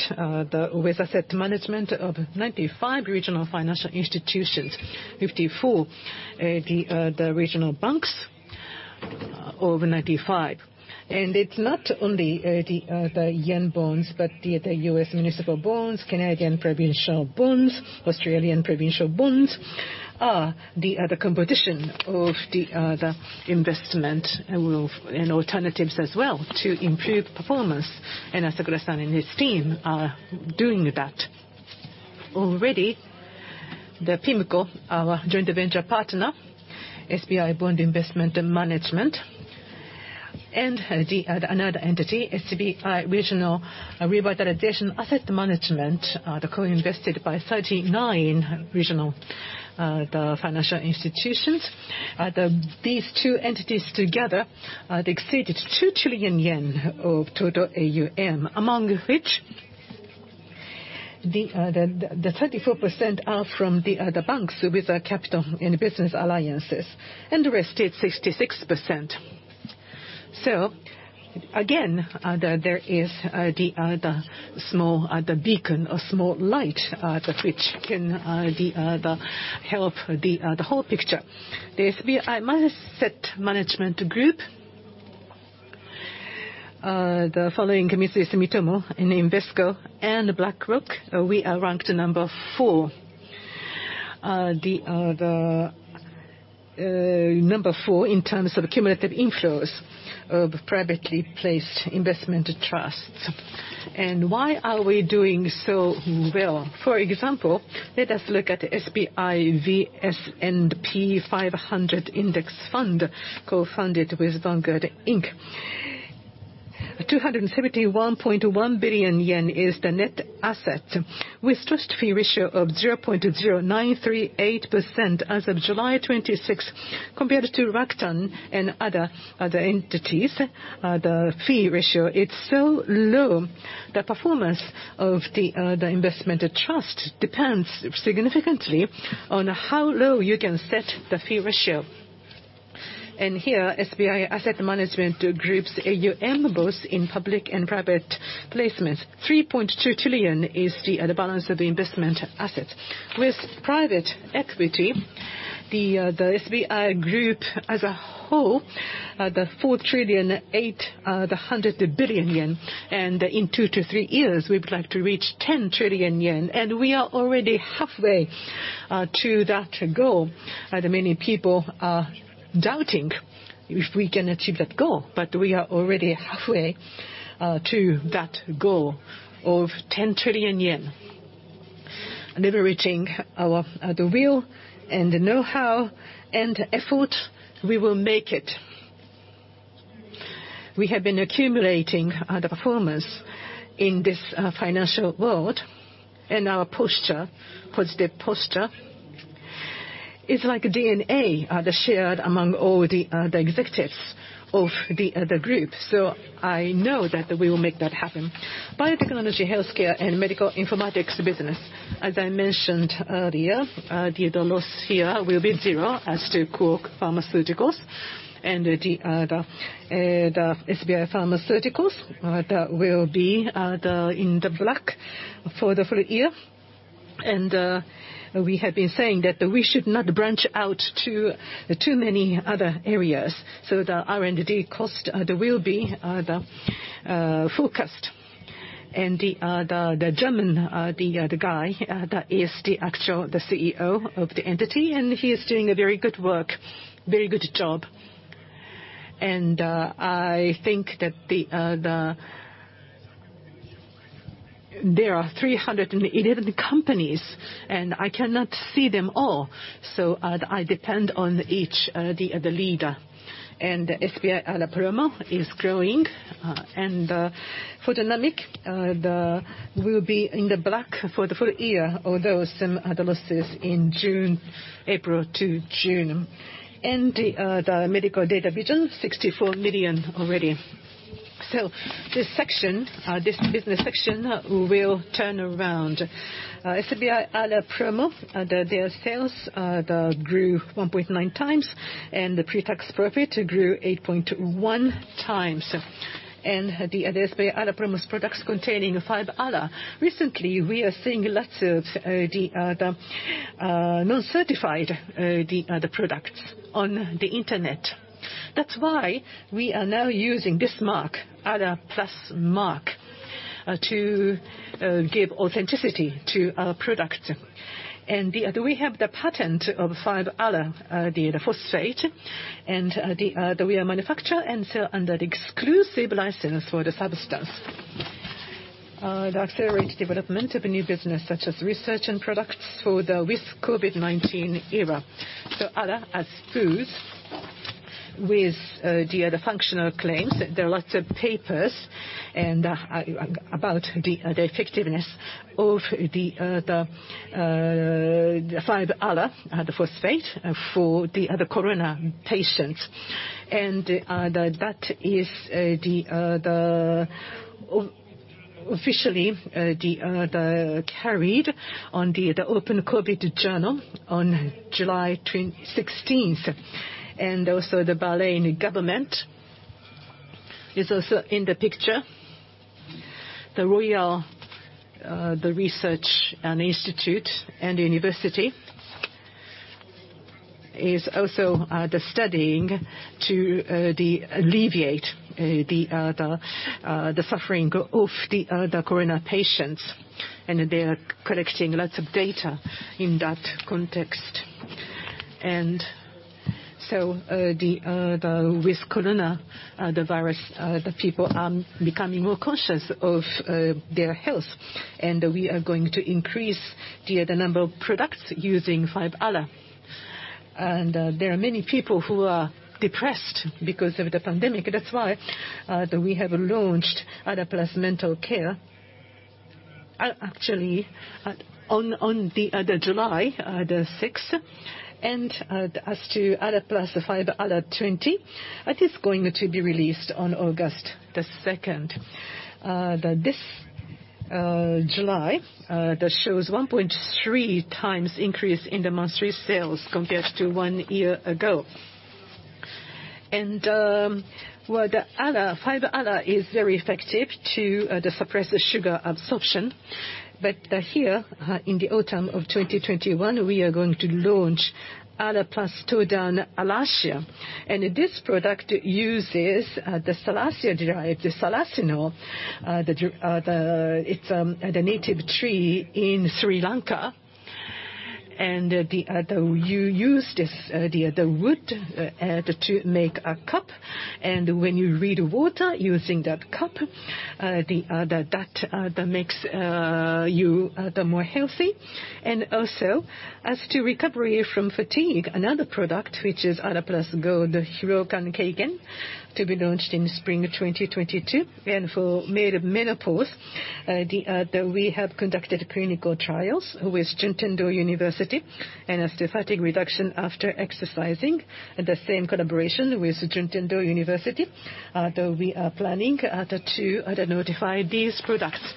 A: with asset management of 95 regional financial institutions, 54, the regional banks, over 95. It's not only the yen bonds, but the U.S. municipal bonds, Canadian provincial bonds, Australian provincial bonds, are the competition of the investment, and alternatives as well to improve performance, and Asakura-san and his team are doing that. Already PIMCO, our joint venture partner, SBI Bond Investment Management, and another entity, SBI Regional Revitalization Asset Management, co-invested by 39 regional financial institutions, out of these two entities together, they exceeded 2 trillion yen of total AUM, among which, the 34% are from the banks with capital in business alliances, and the rest is 66%. Again, there is the small beacon or small light that which can help the whole picture. The SBI Asset Management Group, the following committee, Sumitomo and Invesco and BlackRock, we are ranked number four. Number four in terms of cumulative inflows of privately placed investment trusts. Why are we doing so well? For example, let us look at the SBI V S&P 500 Index Fund, co-funded with Vanguard Inc. 271.1 billion yen is the net asset, with trust fee ratio of 0.0938% as of July 26, compared to Rakuten and other entities, the fee ratio, it's so low. The performance of the investment trust depends significantly on how low you can set the fee ratio. Here, SBI Asset Management Group's AUM, both in public and private placement, 3.2 trillion is the balance of the investment assets. With private equity, the SBI Group as a whole, 4.8 trillion, the 100 billion yen. In two to three years, we would like to reach 10 trillion yen, and we are already halfway to that goal. Many people are doubting if we can achieve that goal, but we are already halfway to that goal of 10 trillion yen. Liberating the will, and the know-how, and effort, we will make it. We have been accumulating the performance in this financial world, and our posture, positive posture, is like DNA that's shared among all the executives of the group. I know that we will make that happen. Biotechnology, healthcare, and medical informatics business, as I mentioned earlier, the loss here will be zero as to Quark Pharmaceuticals and the SBI Pharmaceuticals that will be in the black for the full-year. We have been saying that we should not branch out to too many other areas, so the R&D cost, that will be the forecast. The German, the guy that is the actual CEO of the entity, he is doing very good work, very good job, and I think that there are 311 companies, and I cannot see them all. I depend on each of the leader. SBI ALApharma is growing. Photonic will be in the black for the full-year, although some losses in April to June, and the Medical Data Vision, 64 million already. This section, this business section will turn around. SBI ALApromo, their sales, grew 1.9x, the pre-tax profit grew 8.1x. The SBI ALApromo's products containing the 5-ALA, recently, we are seeing lots of the non-certified products on the internet. That is why we are now using this mark, ALA+ mark, to give authenticity to our product. We have the patent of 5-ALA, the phosphate, and we are manufacturer and sell under the exclusive license for the substance. The accelerated development of new business, such as research and products for the with COVID-19 era. ALA as food with the other functional claims. There are lots of papers about the effectiveness of the 5-ALA phosphate, for the other corona patients. That is officially carried on The Open COVID Journal on July 16th. Also the Bahrain government is also in the picture. The research and institute and university is also studying to alleviate the suffering of the corona patients. They are collecting lots of data in that context. With corona, the virus, the people are becoming more conscious of their health. We are going to increase the number of products using five-ALA. There are many people who are depressed because of the pandemic, and that's why we have launched ALA+ Mental Care, actually, on July 6th. As to ALA+ 5-ALA 20, that is going to be released on August 2nd. This July, that shows 1.3 times increase in the monthly sales compared to one year ago. The 5-ALA is very effective to suppress the sugar absorption. Here, in the autumn of 2021, we are going to launch ALAplus Tou Down Salasia. This product uses the Salacia-derived, the salacinol. It's the native tree in Sri Lanka. You use this, the wood, to make a cup, and when you read water using that cup, that makes you more healthy. Also, as to recovery from fatigue, another product, which is ALAplus Gold Hiroukan Keigen, to be launched in spring 2022. For menopause, we have conducted clinical trials with Juntendo University. As to fatigue reduction after exercising, the same collaboration with Juntendo University, we are planning to notify these products.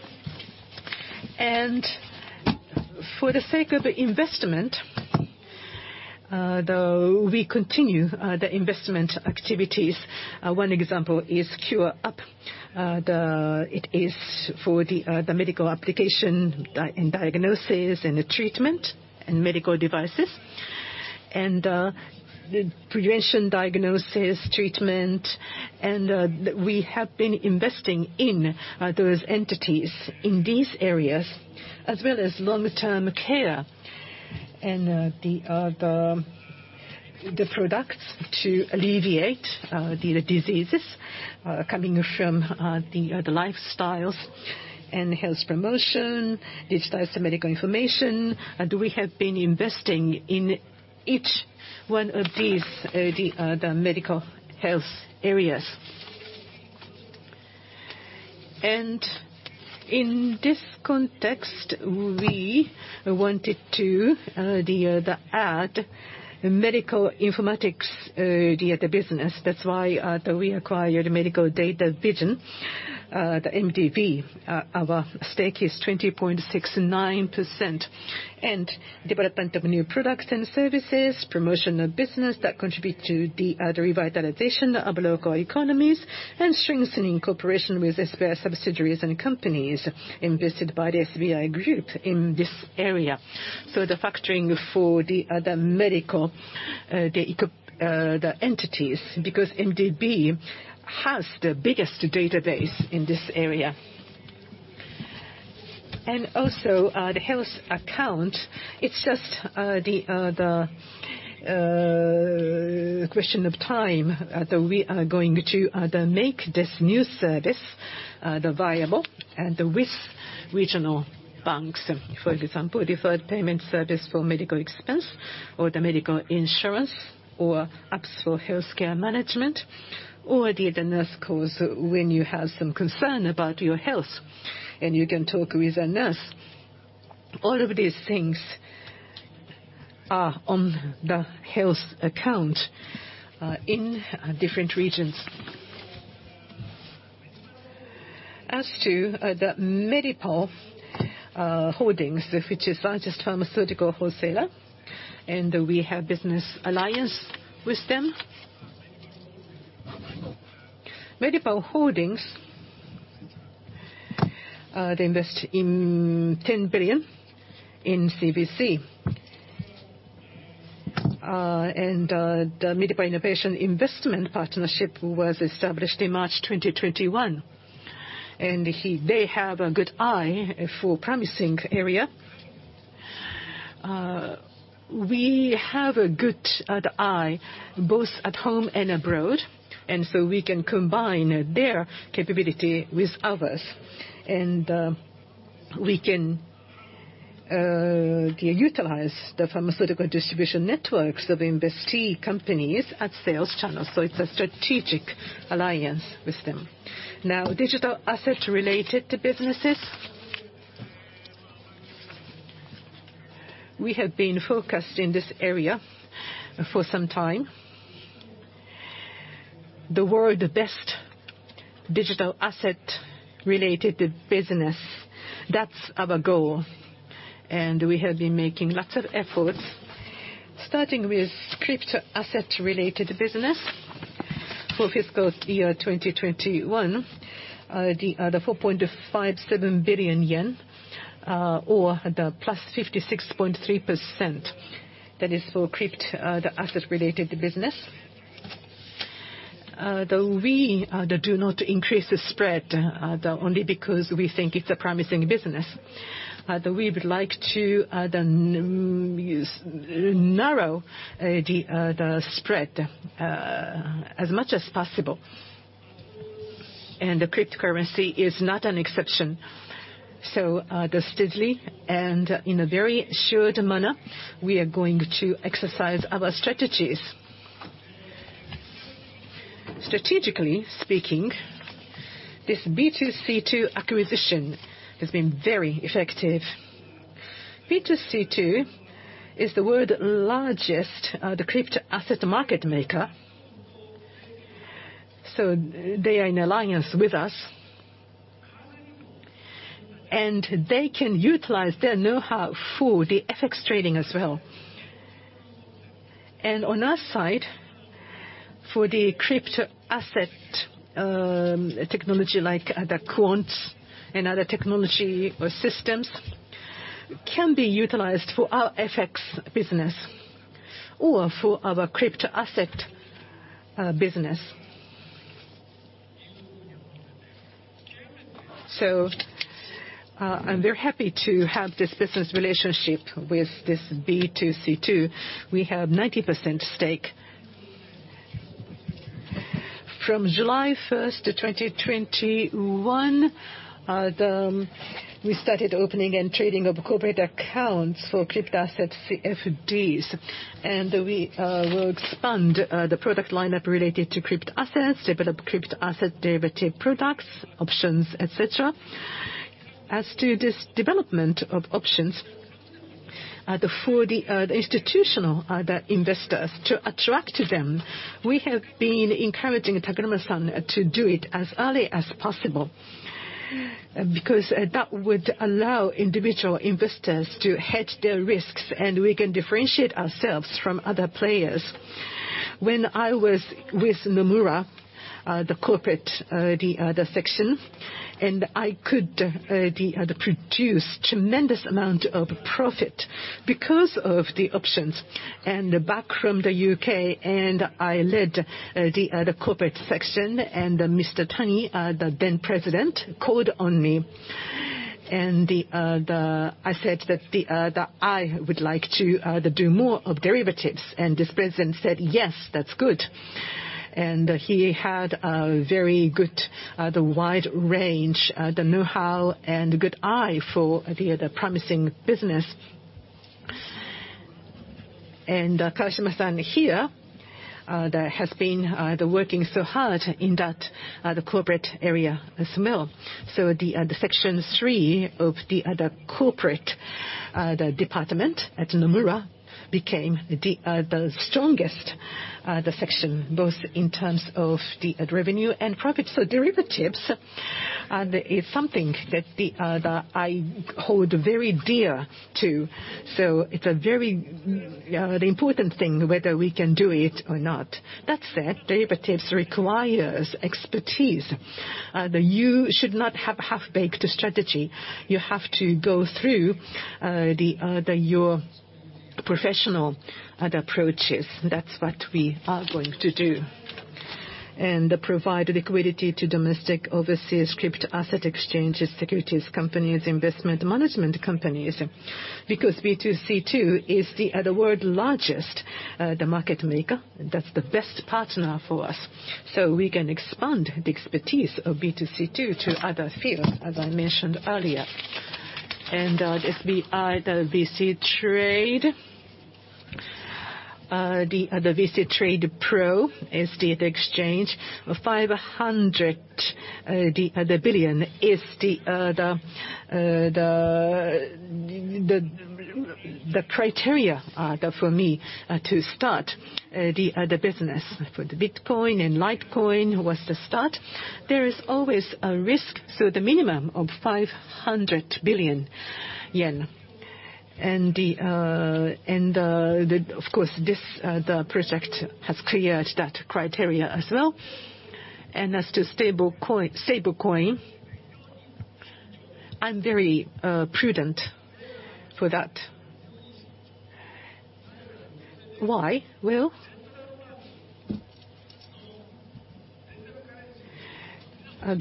A: For the sake of investment, we continue the investment activities, so one example is CureApp. It is for the medical application in diagnosis and treatment and medical devices. Prevention, diagnosis, treatment, we have been investing in those entities in these areas, as well as long-term care and the products to alleviate the diseases coming from the lifestyles and health promotion, digitized medical information. We have been investing in each one of these, the medical health areas. In this context, we wanted to add medical informatics business, that's why we acquired Medical Data Vision, the MDV, our stake is 20.69%. Development of new products and services, promotion of business that contribute to the revitalization of local economies, and strengthening cooperation with SBI subsidiaries and companies invested by the SBI Group in this area. The factoring for the medical entities, because MDV has the biggest database in this area. Also, the health account, it's just the question of time that we are going to make this new service viable and with regional banks. For example, deferred payment service for medical expense or the medical insurance or apps for healthcare management or the nurse calls when you have some concern about your health, and you can talk with a nurse. All of these things are on the health account, in different regions. As to the Medipal Holdings, which is largest pharmaceutical wholesaler, and we have business alliance with them. Medipal Holdings, they invest in 10 billion in CVC. The MEDIPAL Innovation Investment Partnership was established in March 2021. They have a good eye for promising area. We have a good eye, both at home and abroad. We can combine their capability with others, and we can utilize the pharmaceutical distribution networks of investee companies at sales channels. It's a strategic alliance with them. Now, digital asset-related businesses, we have been focused on this area for some time. The world's best digital asset-related business, that's our goal, and we have been making lots of efforts. Starting with crypto asset-related business for Fiscal Year 2021, the 4.57 billion yen, or the +56.3%, that is for crypto asset-related business. Though we do not increase the spread only because we think it's a promising business, though we would like to narrow the spread as much as possible, and the cryptocurrency is not an exception. Steadily and in a very assured manner, we are going to exercise our strategies. Strategically speaking, this B2C2 acquisition has been very effective. B2C2 is the world's largest crypto asset market maker, so they are in alliance with us, and they can utilize their know-how for the FX trading as well. On our side, for the crypto asset technology, like the quants and other technology or systems, can be utilized for our FX business or for our crypto asset business. I'm very happy to have this business relationship with this B2C2. We have 19% stake. From July 1st, 2021, we started opening and trading of corporate accounts for crypto asset CFDs, we will expand the product lineup related to crypto assets, develop crypto asset derivative products, options, et cetera. As to this development of options for the institutional investors to attract them, we have been encouraging Takamura-san to do it as early as possible, because that would allow individual investors to hedge their risks, and we can differentiate ourselves from other players. When I was with Nomura, the corporate section, and I could produce tremendous amount of profit because of the options. Back from the U.K., I led the corporate section, Mr. Tani, the then president, called on me. I said that I would like to do more of derivatives. This president said, "Yes, that's good." He had a very good wide range, the know-how, and good eye for the promising business. Kashima-san here has been working so hard in that corporate area as well. The section three of the corporate department at Nomura became the strongest section, both in terms of the revenue and profits. Derivatives is something that I hold very dear to. It's a very important thing whether we can do it or not. That said, derivatives requires expertise. You should not have half-baked strategy. You have to go through your professional approaches, so that's what we are going to do. Provide liquidity to domestic overseas crypto asset exchanges, securities companies, investment management companies. Because B2C2 is the world's largest market maker, that's the best partner for us. We can expand the expertise of B2C2 to other fields, as I mentioned earlier. The SBI VC Trade's VC TRADE Pro is the exchange of 500 billion is the criteria for me to start the business for the Bitcoin and Litecoin was the start. There is always a risk, so the minimum of 500 billion yen. Of course, the project has cleared that criteria as well. As to stablecoin, I'm very prudent for that. Why? Well,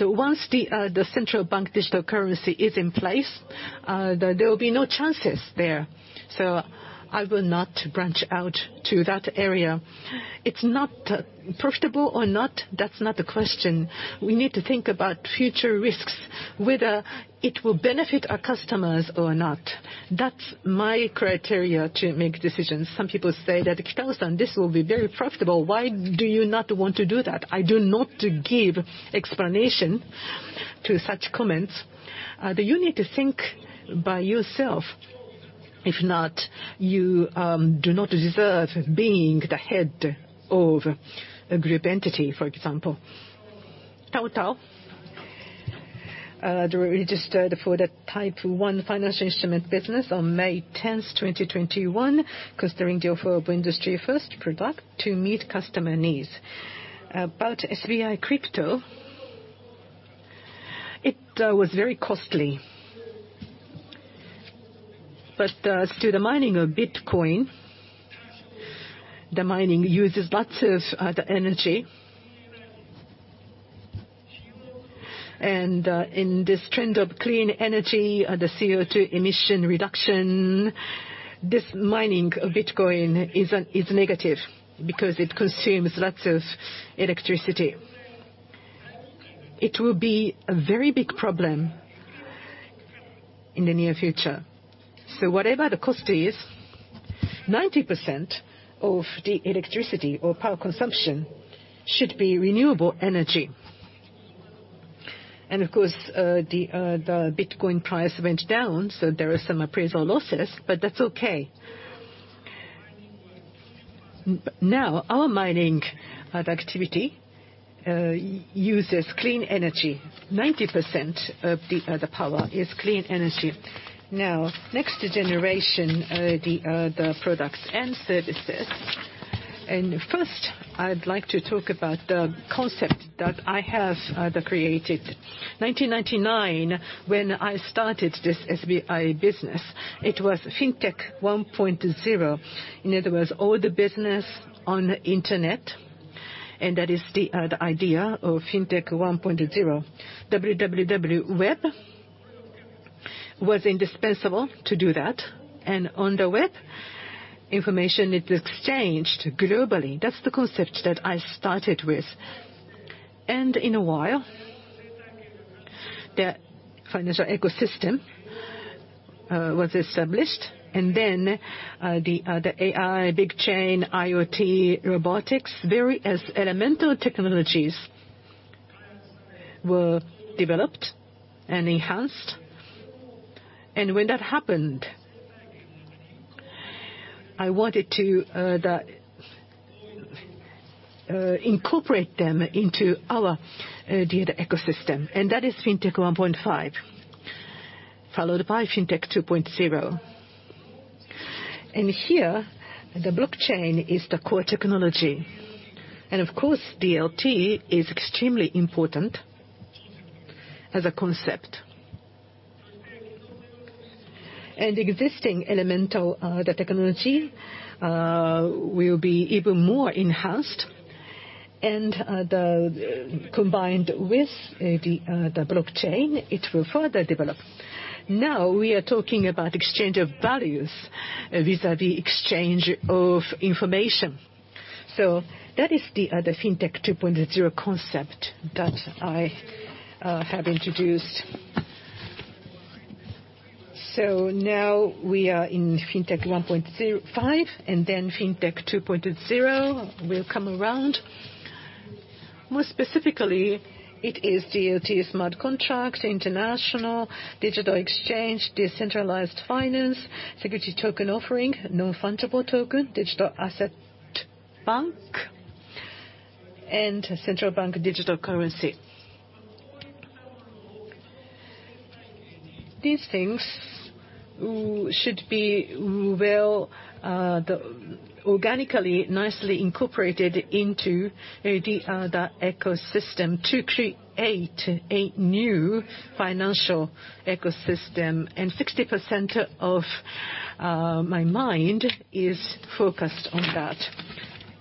A: once the central bank digital currency is in place, there will be no chances there. I will not branch out to that area. It's not profitable or not, that's not the question. We need to think about future risks, whether it will benefit our customers or not. That's my criteria to make decisions. Some people would say that, "Kitao-san, this will be very profitable. Why do you not want to do that?" I do not give explanation to such comments. You need to think by yourself. If not, you do not deserve being the head of a group entity, for example. TaoTao, registered for the Type 1 financial instrument business on May 10th, 2021, considering the offer of industry-first product to meet customer needs. About SBI Crypto, it was very costly. As to the mining of Bitcoin, the mining uses lots of energy. In this trend of clean energy, the CO2 emission reduction, this mining of Bitcoin is negative because it consumes lots of electricity. It will be a very big problem in the near future. Whatever the cost is, 90% of the electricity or power consumption should be renewable energy. Of course, the Bitcoin price went down, so there are some appraisal losses, but that's okay. Now, our mining activity uses clean energy. 90% of the power is clean energy. Now, next generation, the products and services, and first, I'd like to talk about the concept that I have created. 1999, when I started this SBI business, it was Fintech 1.0. In other words, all the business on the internet, that is the idea of Fintech 1.0. www, web, was indispensable to do that. On the web, information is exchanged globally, and that's the concept that I started with. In a while, the financial ecosystem was established, then the AI, blockchain, IoT, robotics, various elemental technologies were developed and enhanced. When that happened, I wanted to incorporate them into our data ecosystem, that is Fintech 1.5, followed by Fintech 2.0. Here, the blockchain is the core technology. Of course, DLT is extremely important as a concept. Existing elemental technology will be even more enhanced, combined with the blockchain, it will further develop. Now, we are talking about exchange of values, vis-à-vis exchange of information. That is the Fintech 2.0 concept that I have introduced. Now we are in Fintech 1.5 and then Fintech 2.0 will come around. More specifically, it is DLT, smart contract, international digital exchange, decentralized finance, security token offering, non-fungible token, digital asset bank, and central bank digital currency. These things should be organically, nicely incorporated into the ecosystem to create a new financial ecosystem, and 60% of my mind is focused on that.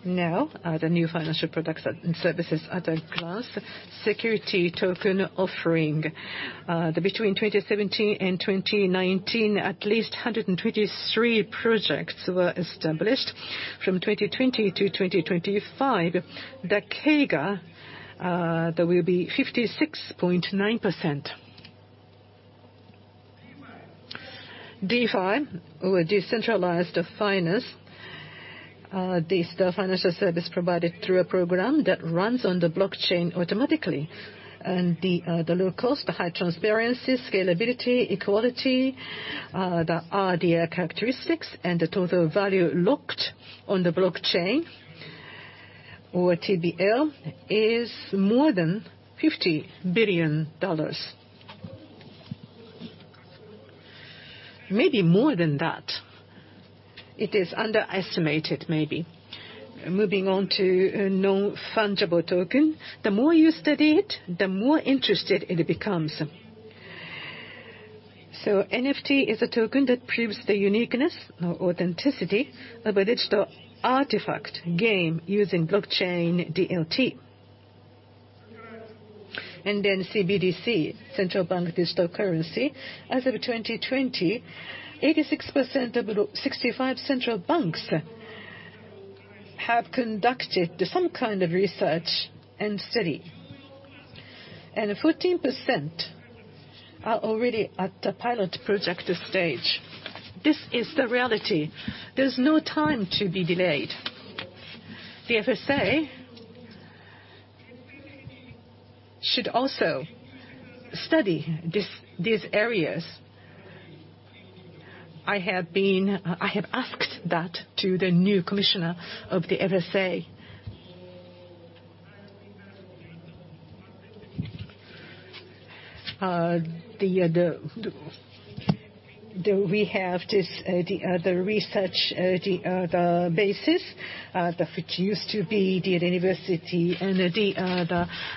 A: Now, the new financial products and services at a glance, security token offering. Between 2017 and 2019, at least 123 projects were established. From 2020 to 2025, the CAGR will be 56.9%. DeFi, or decentralized finance, are the financial services provided through a program that runs on the blockchain automatically. The low cost, the high transparency, scalability, equality are the characteristics, and the total value locked on the blockchain, or TVL, is more than JPY 50 billion, or maybe more than that. It is underestimated, maybe. Moving on to non-fungible token, the more you study it, the more interesting it becomes. NFT is a token that proves the uniqueness or authenticity of a digital artifact game using blockchain DLT. CBDC, central bank digital currency, as of 2020, 86% of the 65 central banks have conducted some kind of research and study, and 14% are already at the pilot project stage. This is the reality. There's no time to be delayed. The FSA should also study these areas. I have asked that to the new commissioner of the FSA. We have the research, the basis, which used to be the university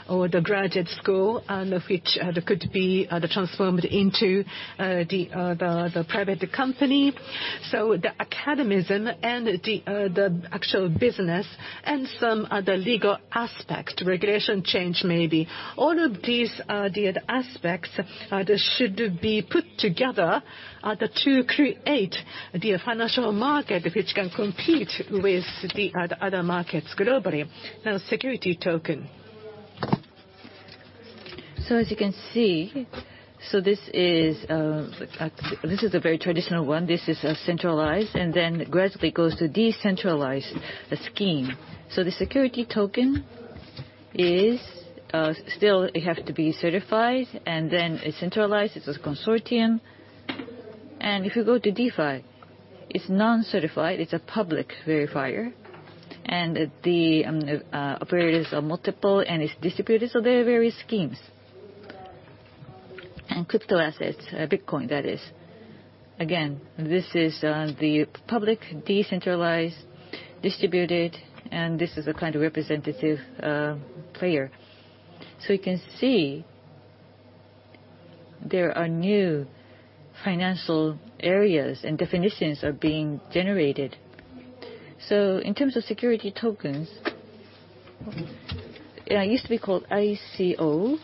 A: or the graduate school, and which could be transformed into the private company. The academism and the actual business and some other legal aspects, regulation change, maybe. All of these are the aspects that should be put together to create the financial market which can compete with the other markets globally. Security token, as you can see, this is a very traditional one. This is centralized, and then gradually it goes to decentralized scheme. The security token, it still has to be certified, and then it's centralized, it's a consortium. If you go to DeFi, it's non-certified, it's a public verifier, and the operators are multiple, and it's distributed, so there are various schemes, and crypto assets, Bitcoin, that is. Again, this is the public, decentralized, distributed, and this is a kind of representative player. You can see there are new financial areas and definitions are being generated. In terms of security tokens, it used to be called ICO,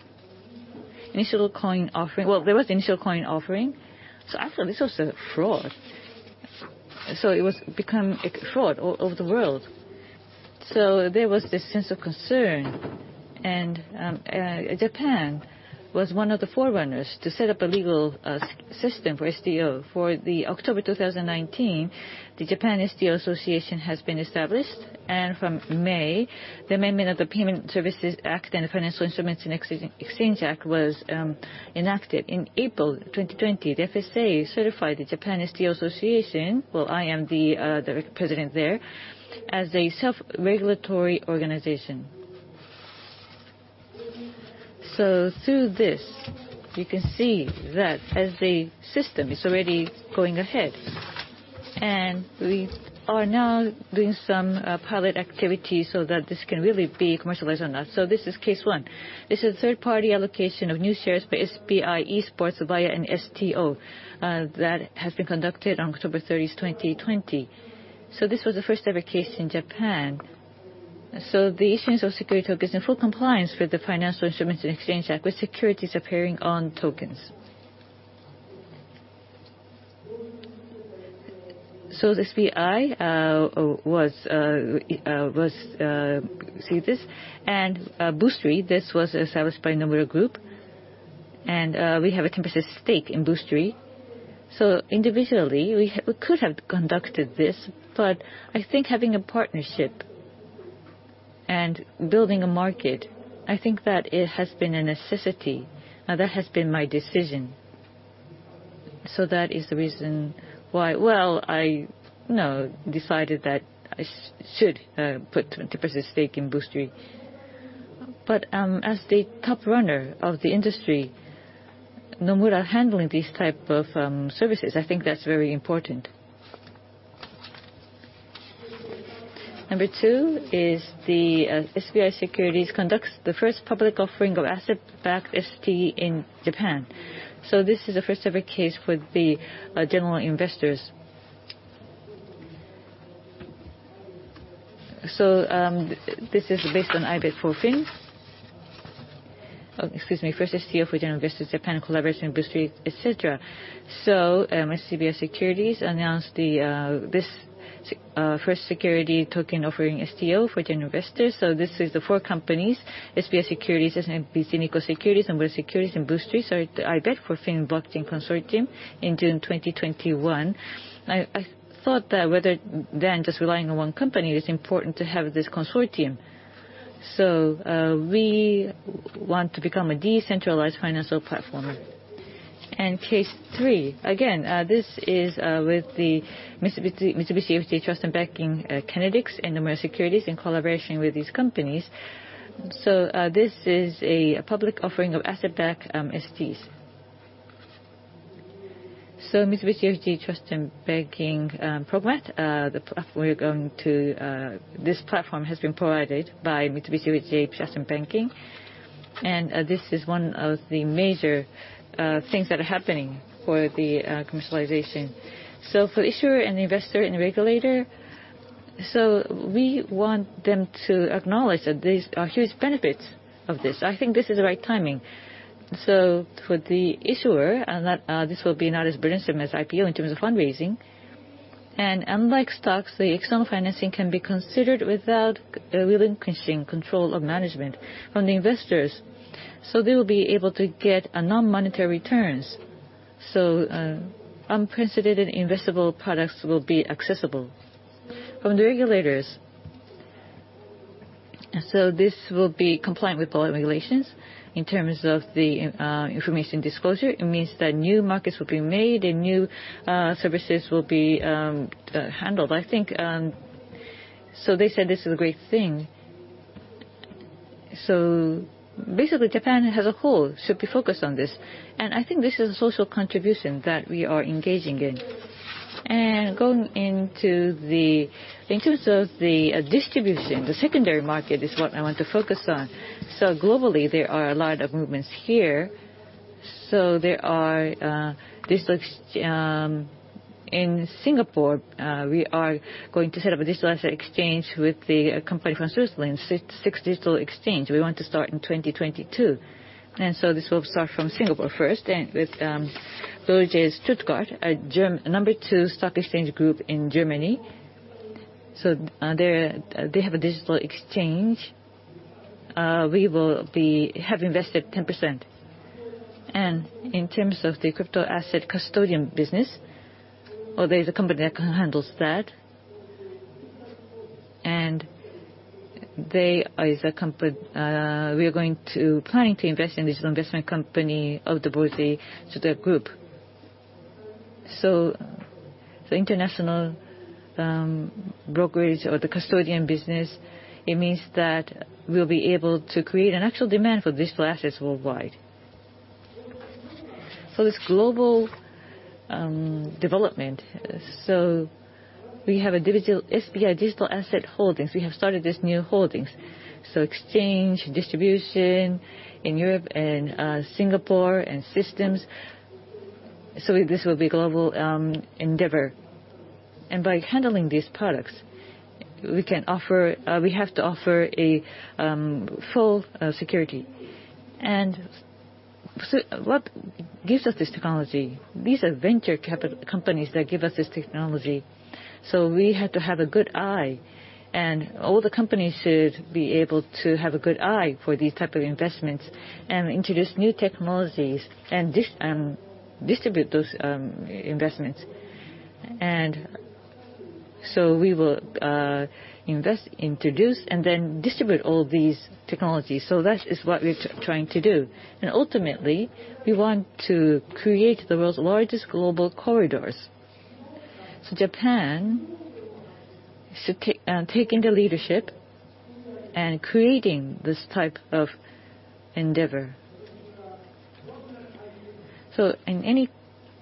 A: initial coin offering. Well, there was initial coin offering. Actually, this was a fraud. It was become a fraud all over the world. There was this sense of concern, and Japan was one of the forerunners to set up a legal system for STO. For October 2019, the Japan STO Association has been established, and from May, the amendment of the Payment Services Act and the Financial Instruments and Exchange Act was enacted. In April 2020, the FSA certified the Japan STO Association, well, I am the direct president there, as a self-regulatory organization. Through this, you can see that as the system is already going ahead, and we are now doing some pilot activities so that this can really be commercialized or not so this is case one. This is third-party allocation of new shares for SBI e-Sports via an STO that has been conducted on October 30th, 2020, so this was the first-ever case in Japan. The issuance of security tokens in full compliance with the Financial Instruments and Exchange Act with securities appearing on tokens, the SBI was. See this? And BOOSTRY, this was established by Nomura Group, and we have a 10% stake in BOOSTRY. Individually, we could have conducted this, but I think having a partnership and building a market, I think that it has been a necessity, that has been my decision, so that is the reason why. Well, I, you know, decided that I should put 20% stake in BOOSTRY. As the top runner of the industry, Nomura handling these type of services, I think that's very important. Number two is the SBI Securities conducts the first public offering of asset-backed ST in Japan. This is the first-ever case for the general investors. This is based on ibet for Fin. Oh, excuse me, first STO for general investors, Japan collaboration, BOOSTRY, et cetera. SBI Securities announced this, first security token offering, STO for general investors. This is the 4 companies, SBI Securities, SMBC Nikko Securities, Nomura Securities, and BOOSTRY. ibet for Fin Blockchain Consortium in June 2021. I thought that rather than just relying on one company, it's important to have this consortium. We want to become a decentralized financial platform. Case three, again, this is with the Mitsubishi UFJ Trust and Banking candidates and Nomura Securities in collaboration with these companies. This is a public offering of asset-backed STs. Mitsubishi UFJ Trust and Banking, Progmat, this platform has been provided by Mitsubishi UFJ Trust and Banking, and this is one of the major things that are happening for the commercialization. For issuer and investor and regulator, so we want them to acknowledge that there's huge benefits of this. I think this is the right timing. For the issuer, this will be not as burdensome as IPO in terms of fundraising. Unlike stocks, the external financing can be considered without relinquishing control of management from the investors, so they will be able to get non-monetary returns. Unprecedented investable products will be accessible. From the regulators, this will be compliant with all regulations in terms of the information disclosure. It means that new markets will be made and new services will be handled. They said this is a great thing. Basically, Japan as a whole should be focused on this, and I think this is a social contribution that we are engaging in. In terms of the the distribution, the secondary market is what I want to focus on. Globally, there are a lot of movements here. In Singapore, we are going to set up a digital asset exchange with a company from Switzerland, SIX Digital Exchange. We want to start in 2022. This will start from Singapore first, and with Börse Stuttgart, number two stock exchange group in Germany, so they have a digital exchange. We will have invested 10%. In terms of the crypto asset custodian business, although there's a company that handles that, and we are planning to invest in a digital investment company of the Börse, to that group. The international brokerage or the custodian business, it means that we'll be able to create an actual demand for digital assets worldwide. This global development, so we have SBI Digital Asset Holdings. We have started this new holdings, so exchange, distribution in Europe and Singapore, and systems, so this will be a global endeavor. By handling these products, we have to offer full security. What gives us this technology? These are venture capital companies that give us this technology. We have to have a good eye, and all the companies should be able to have a good eye for these type of investments and introduce new technologies, and distribute those investments. We will invest, introduce, and then distribute all these technologies. That is what we're trying to do. Ultimately, we want to create the world's largest global corridors. Japan should take in the leadership in creating this type of endeavor. In any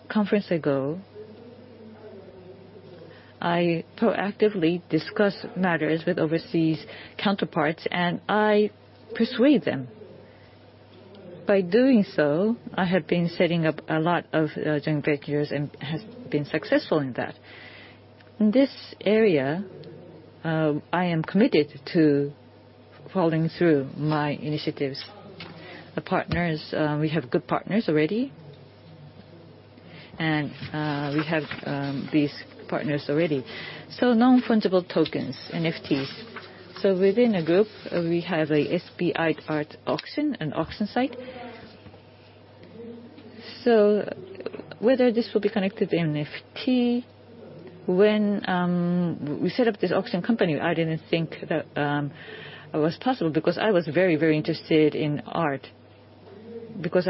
A: conference I go, I proactively discuss matters with overseas counterparts, and I persuade them. By doing so, I have been setting up a lot of joint ventures and have been successful in that. In this area, I am committed to following through my initiatives. The partners, we have good partners already, we have these partners already. Non-fungible tokens, NFTs, so within a group, we have an SBI Art Auction, an auction site. Whether this will be connected to NFT, when we set up this auction company, I didn't think that it was possible because I was very interested in art. Because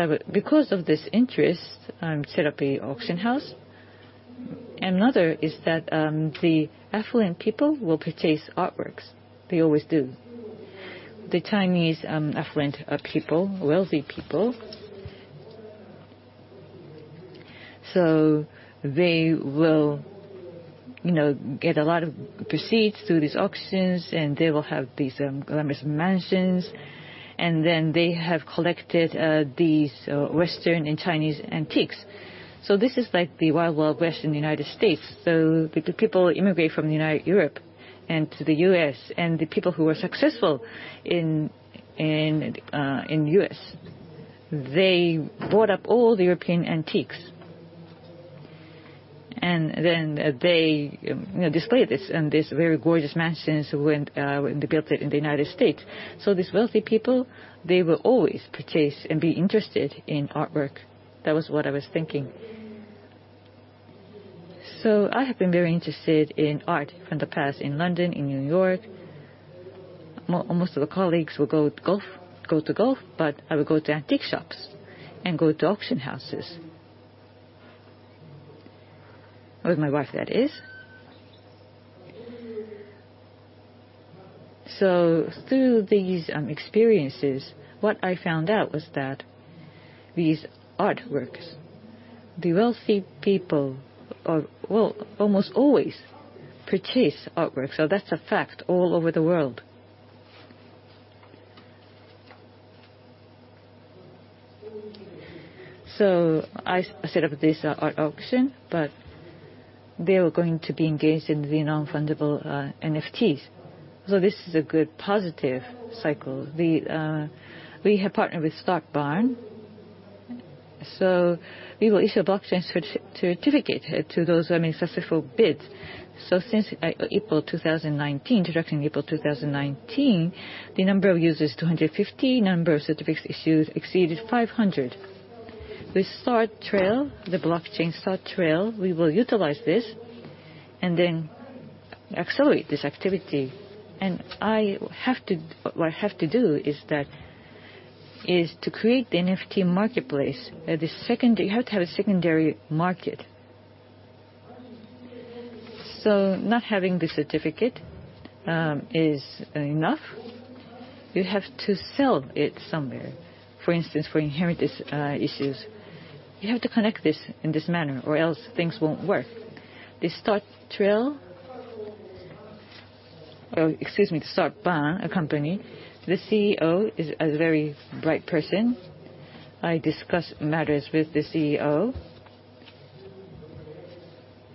A: of this interest, I set up an auction house. Another is that the affluent people will purchase artworks, they always do, the Chinese affluent people, wealthy people. They will get a lot of proceeds through these auctions, they will have these glamorous mansions, they have collected these Western and Chinese antiques. This is like the Wild Wild West in the United States. The people immigrate from and to the U.S., and the people who were successful in U.S., they bought up all the European antiques, and then they displayed this in these very gorgeous mansions they built in the United States. These wealthy people, they will always purchase and be interested in artwork. That was what I was thinking. I have been very interested in art from the past in London, in New York. Most of the colleagues will go to golf, but I would go to antique shops and go to auction houses, with my wife, that is. Through these experiences, what I found out was that these artworks, the wealthy people will almost always purchase artwork, so that's a fact all over the world. I set up this art auction, but they were going to be engaged in the non-fungible NFTs. This is a good positive cycle. We have partnered with Startbahn. We will issue a blockchain certificate to those who have made successful bids. Since April 2019, introduction April 2019, the number of users, 250, number of certificates issued exceeded 500. With Startrail, the blockchain Startrail, we will utilize this and accelerate this activity. What I have to do is to create the NFT marketplace. You have to have a secondary market so not having the certificate is enough. You have to sell it somewhere. For instance, for inheritance issues, you have to connect this in this manner or else things won't work. The Startbahn, a company, the CEO is a very bright person. I discuss matters with the CEO.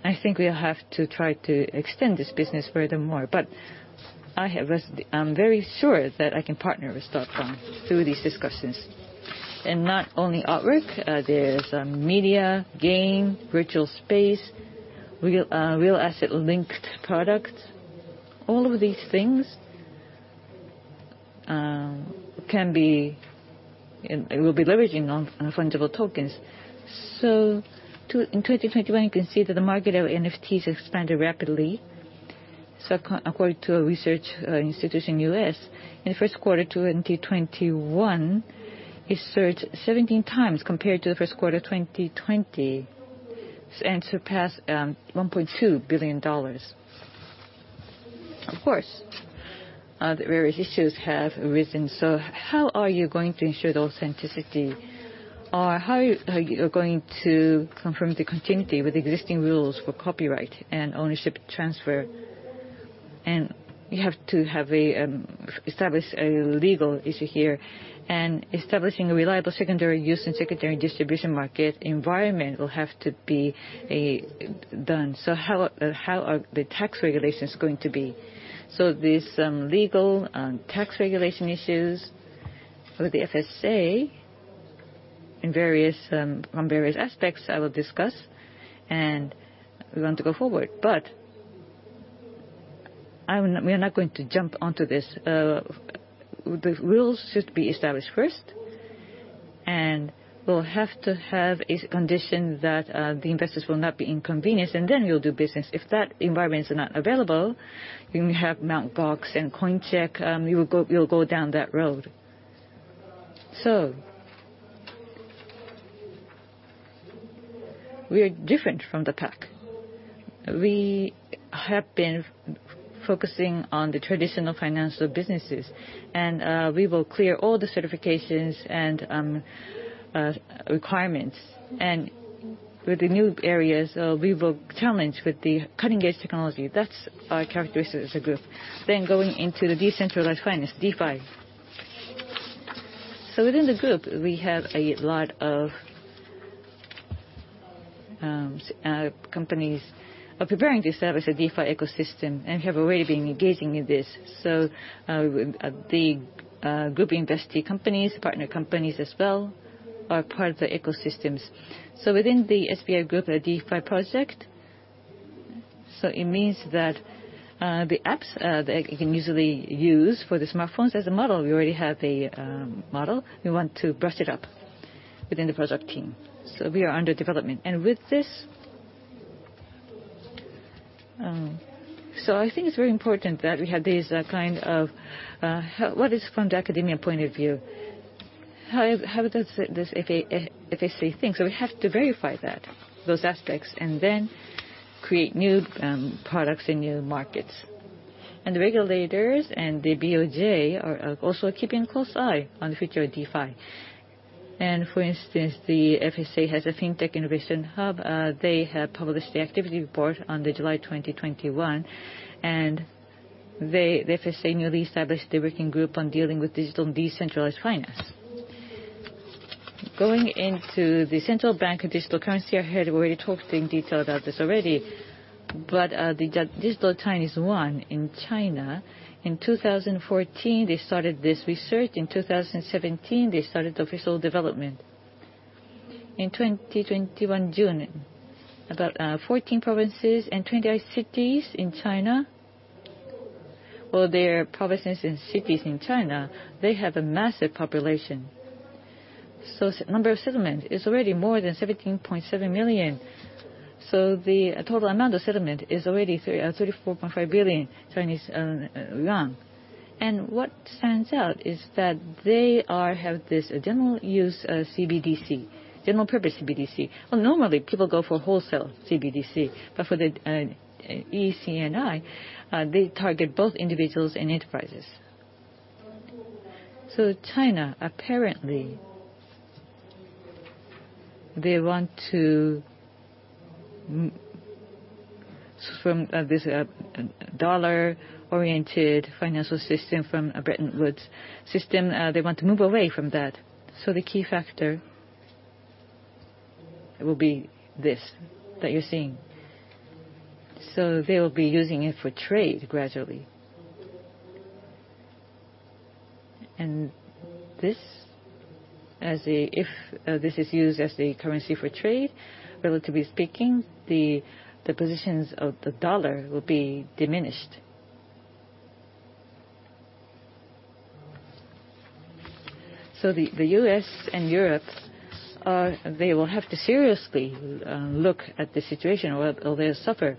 A: I think we'll have to try to extend this business furthermore, but I'm very sure that I can partner with Startbahn through these discussions. Not only artwork, there's media, game, virtual space, real asset-linked product, all of these things will be leveraging on fungible tokens. In 2021, you can see that the market of NFTs expanded rapidly. According to a research institution in U.S., in the first quarter 2021, it surged 17x compared to the first quarter 2020, and surpassed $1.2 billion. Of course, various issues have arisen. How are you going to ensure the authenticity? How are you going to confirm the continuity with existing rules for copyright and ownership transfer? You have to establish a legal issue here, and establishing a reliable secondary use and secondary distribution market environment will have to be done. How are the tax regulations going to be? These legal and tax regulation issues for the FSA on various aspects, I will discuss, and we want to go forward. We are not going to jump onto this. The rules should be established first, and we'll have to have a condition that the investors will not be inconvenienced, and then we'll do business. If that environment is not available, you have Mt. Gox and Coincheck, you'll go down that road. We are different from the pack. We have been focusing on the traditional financial businesses, and we will clear all the certifications and requirements. With the new areas, we will challenge with the cutting-edge technology, that's our characteristic as a group. Going into the decentralized finance, DeFi, so within the group, we have a lot of companies are preparing to establish a DeFi ecosystem, and have already been engaging in this. The group-invested companies, partner companies as well, are part of the ecosystems. Within the SBI Group, the DeFi project, it means that the apps that you can usually use for the smartphones as a model, we already have a model. We want to brush it up within the project team. We are under development. With this, I think it's very important that we have what is from the academia point of view? How does the FSA think? We have to verify that, those aspects, and then create new products and new markets. The regulators and the BOJ are also keeping a close eye on the future of DeFi. For instance, the FSA has a FinTech Innovation Hub. They have published the activity report on the July 2021. The FSA newly established a working group on dealing with digital and decentralized finance. Going into the central bank digital currency, I heard we already talked in detail about this already. The digital Chinese yuan in China, in 2014, they started this research. In 2017, they started official development. In 2021, June, about 14 provinces and 29 cities in China. Well, their provinces and cities in China, they have a massive population. The number of settlements is already more than 17.7 million. The total amount of settlement is already 34.5 billion Chinese yuan. What stands out is that they have this general use CBDC, general purpose CBDC. Well, normally people go for wholesale CBDC, but for the e-CNY, they target both individuals and enterprises. China, apparently, they want to move away from this dollar-oriented financial system, from a Bretton Woods system, they want to move away from that, so the key factor will be this that you're seeing. They'll be using it for trade gradually. If this is used as the currency for trade, relatively speaking, the positions of the dollar will be diminished. The U.S. and Europe, they will have to seriously look at the situation or they'll suffer.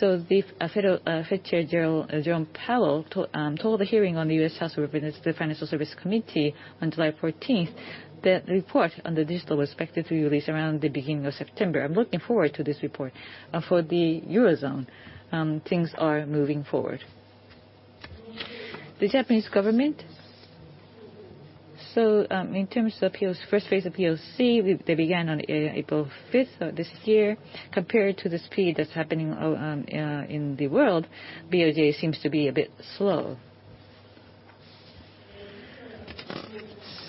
A: The Fed Chair Jerome Powell told the hearing on the U.S. House of Representatives, the Financial Service Committee on July 14th, that the report on the digital was expected to release around the beginning of September. I'm looking forward to this report. For the Eurozone, things are moving forward. The Japanese government, in terms of first phase of POC, they began on April 5th of this year. Compared to the speed that's happening in the world, BOJ seems to be a bit slow.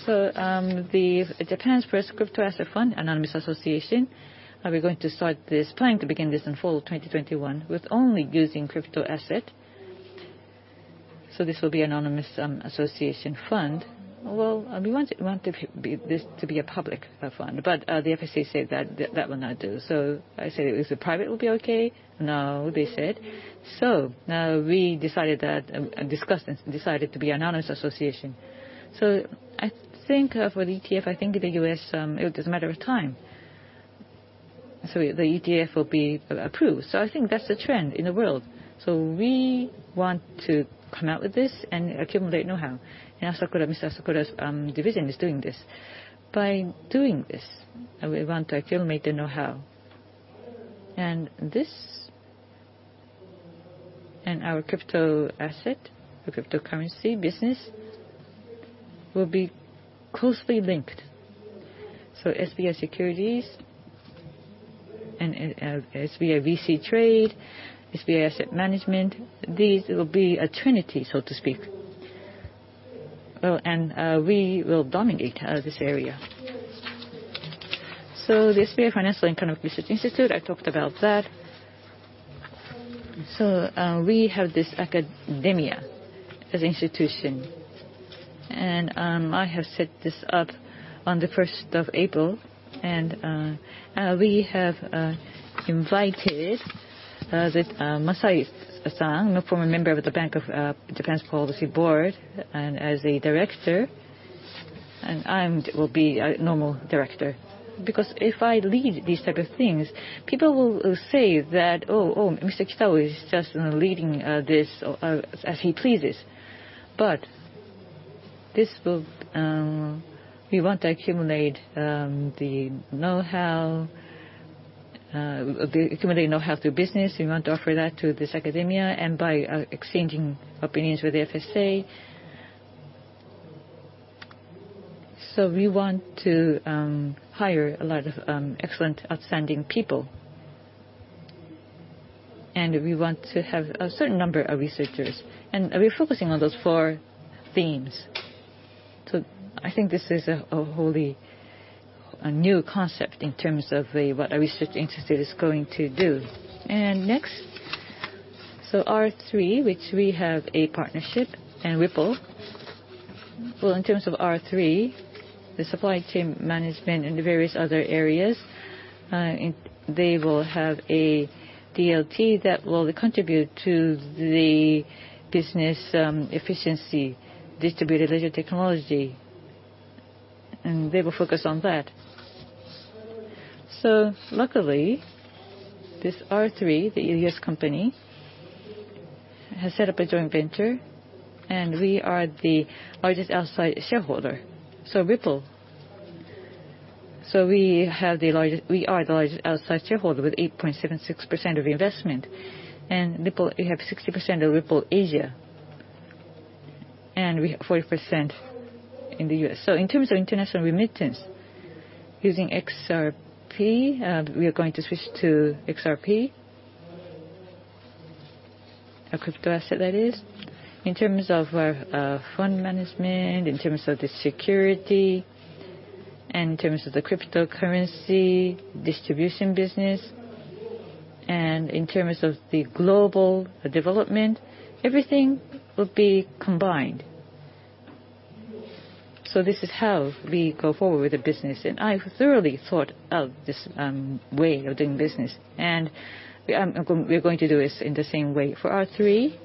A: The Japan's first crypto asset fund, Anonymous Association, we're going to start this, planning to begin this in fall 2021 with only using crypto asset, so this will be Anonymous Association fund. Well, we want this to be a public fund, but the FSA said that will not do. I said, "Is a private will be okay?" "No," they said. Now we discussed and decided to be Anonymous Association. I think for the ETF, I think in the U.S. it was just a matter of time, so the ETF will be approved. I think that's the trend in the world. We want to come out with this and accumulate knowhow. Asakura, Mr. Asakura's division is doing this. By doing this, we want to accumulate the knowhow. Our crypto asset or cryptocurrency business will be closely linked, so SBI Securities and SBI VC Trade, SBI Asset Management, these will be a trinity, so to speak, and we will dominate this area. The SBI Financial and Economic Research Institute, I talked about that. We have this academia as institution. I have set this up on the 1st of April, and we have invited Masayasu-san, a former member of the Bank of Japan's policy board, and as a director. I will be a normal director. Because if I lead these type of things, people will say that, "Oh, oh, Mr. Kitao is just leading this as he pleases." We want to accumulate the knowhow through business. We want to offer that to this academia and by exchanging opinions with the FSA. We want to hire a lot of excellent, outstanding people. We want to have a certain number of researchers. We're focusing on those four themes. I think this is a wholly new concept in terms of what a research institute is going to do. Next, so R3, which we have a partnership, and Ripple. Well, in terms of R3, the supply chain management and the various other areas, they will have a DLT that will contribute to the business efficiency, distributed ledger technology, and they will focus on that. Luckily, this R3, the U.S. company, has set up a joint venture, and we are the largest outside shareholder, so Ripple. We are the largest outside shareholder with 8.76% of the investment, and Ripple, we have 60% of Ripple Asia, and we have 40% in the U.S. In terms of international remittance using XRP, we are going to switch to XRP, a crypto asset, that is. In terms of our fund management, in terms of the security, and in terms of the cryptocurrency distribution business, and in terms of the global development, everything will be combined. This is how we go forward with the business, and I've thoroughly thought of this way of doing business, and we're going to do this in the same way. For R3,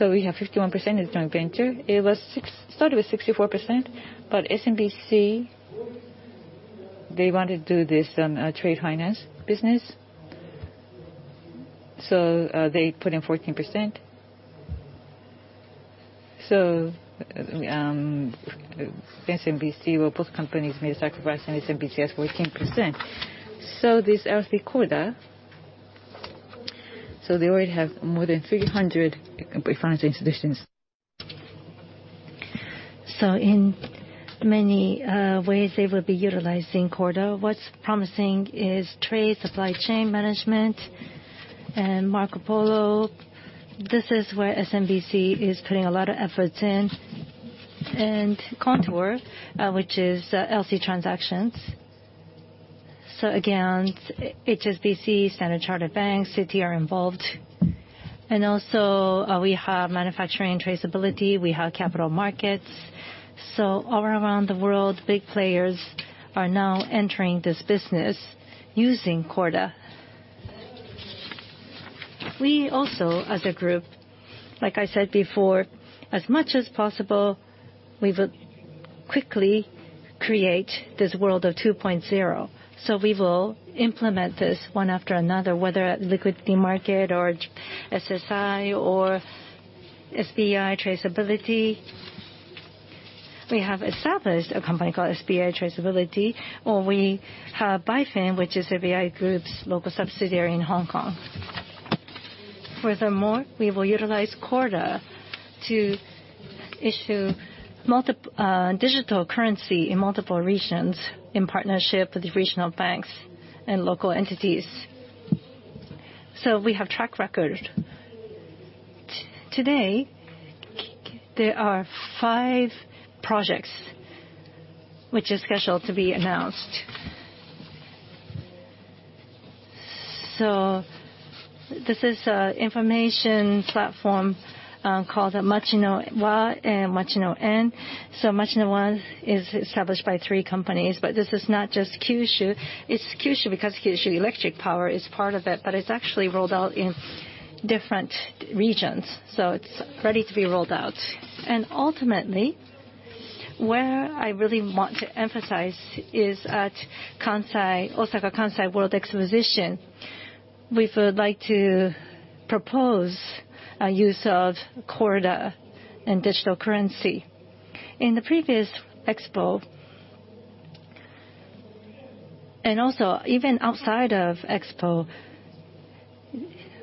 A: we have 51% of joint venture. It started with 64%, but SMBC, they wanted to do this trade finance business, they put in 14%. SMBC, well, both companies made a sacrifice, SMBC has 14%. This LC Corda, they already have more than 300 financial institutions. In many ways, they will be utilizing Corda. What's promising is trade supply chain management and Marco Polo. This is where SMBC is putting a lot of efforts in, and Contour, which is LC transactions. Again, HSBC, Standard Chartered Bank, Citi are involved. Also, we have manufacturing traceability, we have capital markets, so all around the world, big players are now entering this business using Corda. We also, as a group, like I said before, as much as possible, we will quickly create this world of 2.0. We will implement this one after another, whether at liquidity market or SSI or SBI Traceability. We have established a company called SBI Traceability, or we have BaFin, which is SBI Group's local subsidiary in Hong Kong. Furthermore, we will utilize Corda to issue digital currency in multiple regions in partnership with regional banks and local entities. We have track record. Today, there are five projects which are scheduled to be announced. This is an information platform called Machi no Wa and Machi no En. Machi no Wa is established by three companies, but this is not just Kyushu. It's Kyushu because Kyushu Electric Power is part of it, but it's actually rolled out in different regions. It's ready to be rolled out. Ultimately, where I really want to emphasize is at Osaka Kansai World Exposition. We would like to propose a use of Corda and digital currency. In the previous Expo, and also even outside of Expo,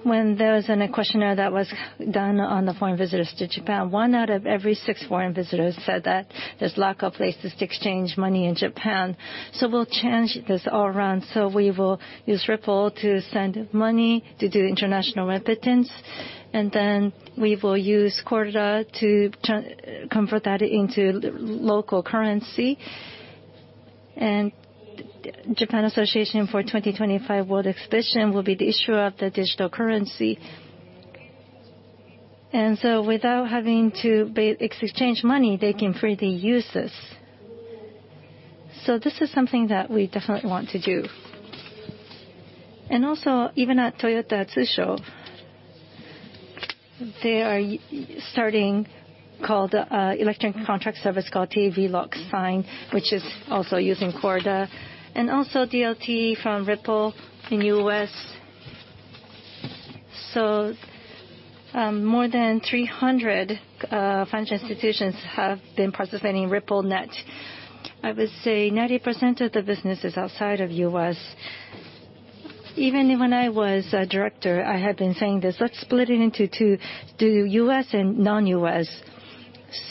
A: when there was a questionnaire that was done on the foreign visitors to Japan, one out of every six foreign visitors said that there's lack of places to exchange money in Japan. We'll change this all around. We will use Ripple to send money, to do international remittance, and then we will use Corda to convert that into local currency. Japan Association for the 2025 World Exposition will be the issuer of the digital currency. Without having to exchange money, they can freely use this, so this is something that we definitely want to do. Even at Toyota Tsusho, they are starting called electronic contract service called DD-LOCK SIGN, which is also using Corda. Also, DLT from Ripple in U.S, more than 300 financial institutions have been participating in RippleNet. I would say 90% of the business is outside of U.S. Even when I was a director, I had been saying this, "Let's split it into two, U.S. and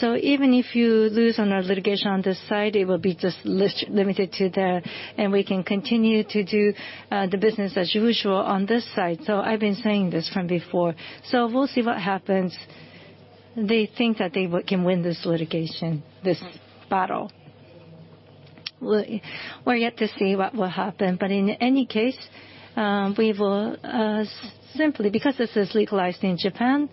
A: non-U.S." Even if you lose on a litigation on this side, it will be just limited to there, and we can continue to do the business as usual on this side. I've been saying this from before. We'll see what happens. They think that they can win this litigation, this battle. We're yet to see what will happen. In any case, simply because this is legalized in Japan,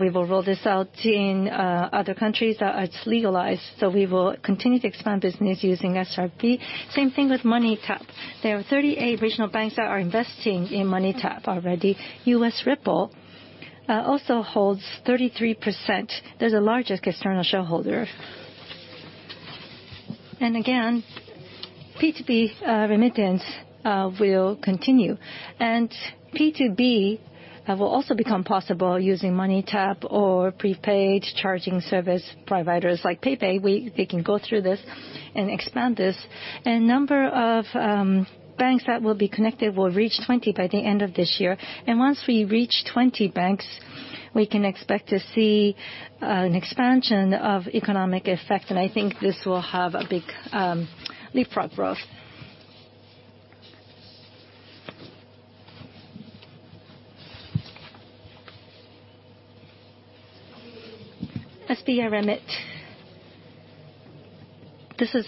A: we will roll this out in other countries that it's legalized. We will continue to expand business using SBI. Same thing with MoneyTap, there are 38 regional banks that are investing in MoneyTap already. U.S. Ripple also holds 33%. They're the largest external shareholder. Again, P2B remittance will continue. P2B will also become possible using MoneyTap or prepaid charging service providers like PayPal. They can go through this and expand this. Number of banks that will be connected will reach 20 by the end of this year. Once we reach 20 banks, we can expect to see an expansion of economic effect, and I think this will have a big leapfrog growth. SBI Remit, this is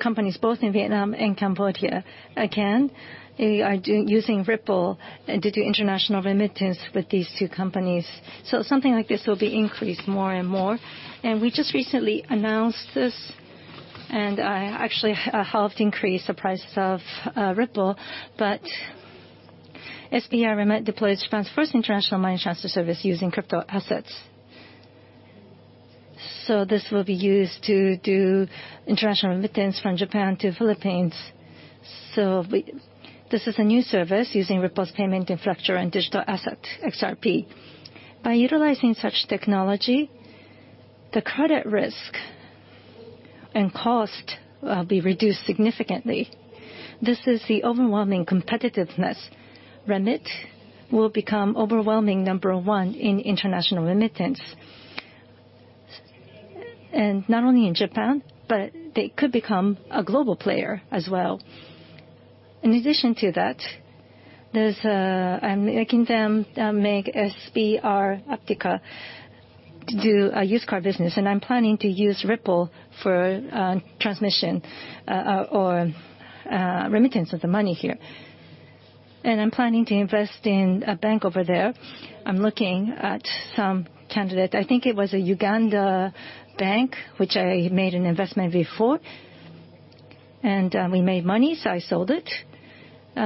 A: companies both in Vietnam and Cambodia. Again, we are using Ripple to do international remittance with these two companies, so something like this will be increased more and more. We just recently announced this, and actually helped increase the prices of Ripple, but SBI Remit deployed Japan's first international money transfer service using crypto assets. This will be used to do international remittance from Japan to Philippines. This is a new service using Ripple's payment infrastructure and digital asset, XRP. By utilizing such technology, the credit risk and cost will be reduced significantly. This is the overwhelming competitiveness. Remit will become overwhelming number one in international remittance, and not only in Japan, but they could become a global player as well. In addition to that, I'm making them make SBI Africa to do a used car business, and I'm planning to use Ripple for transmission or remittance of the money here. I'm planning to invest in a bank over there. I'm looking at some candidate. I think it was a Uganda bank, which I made an investment before. We made money, so I sold it,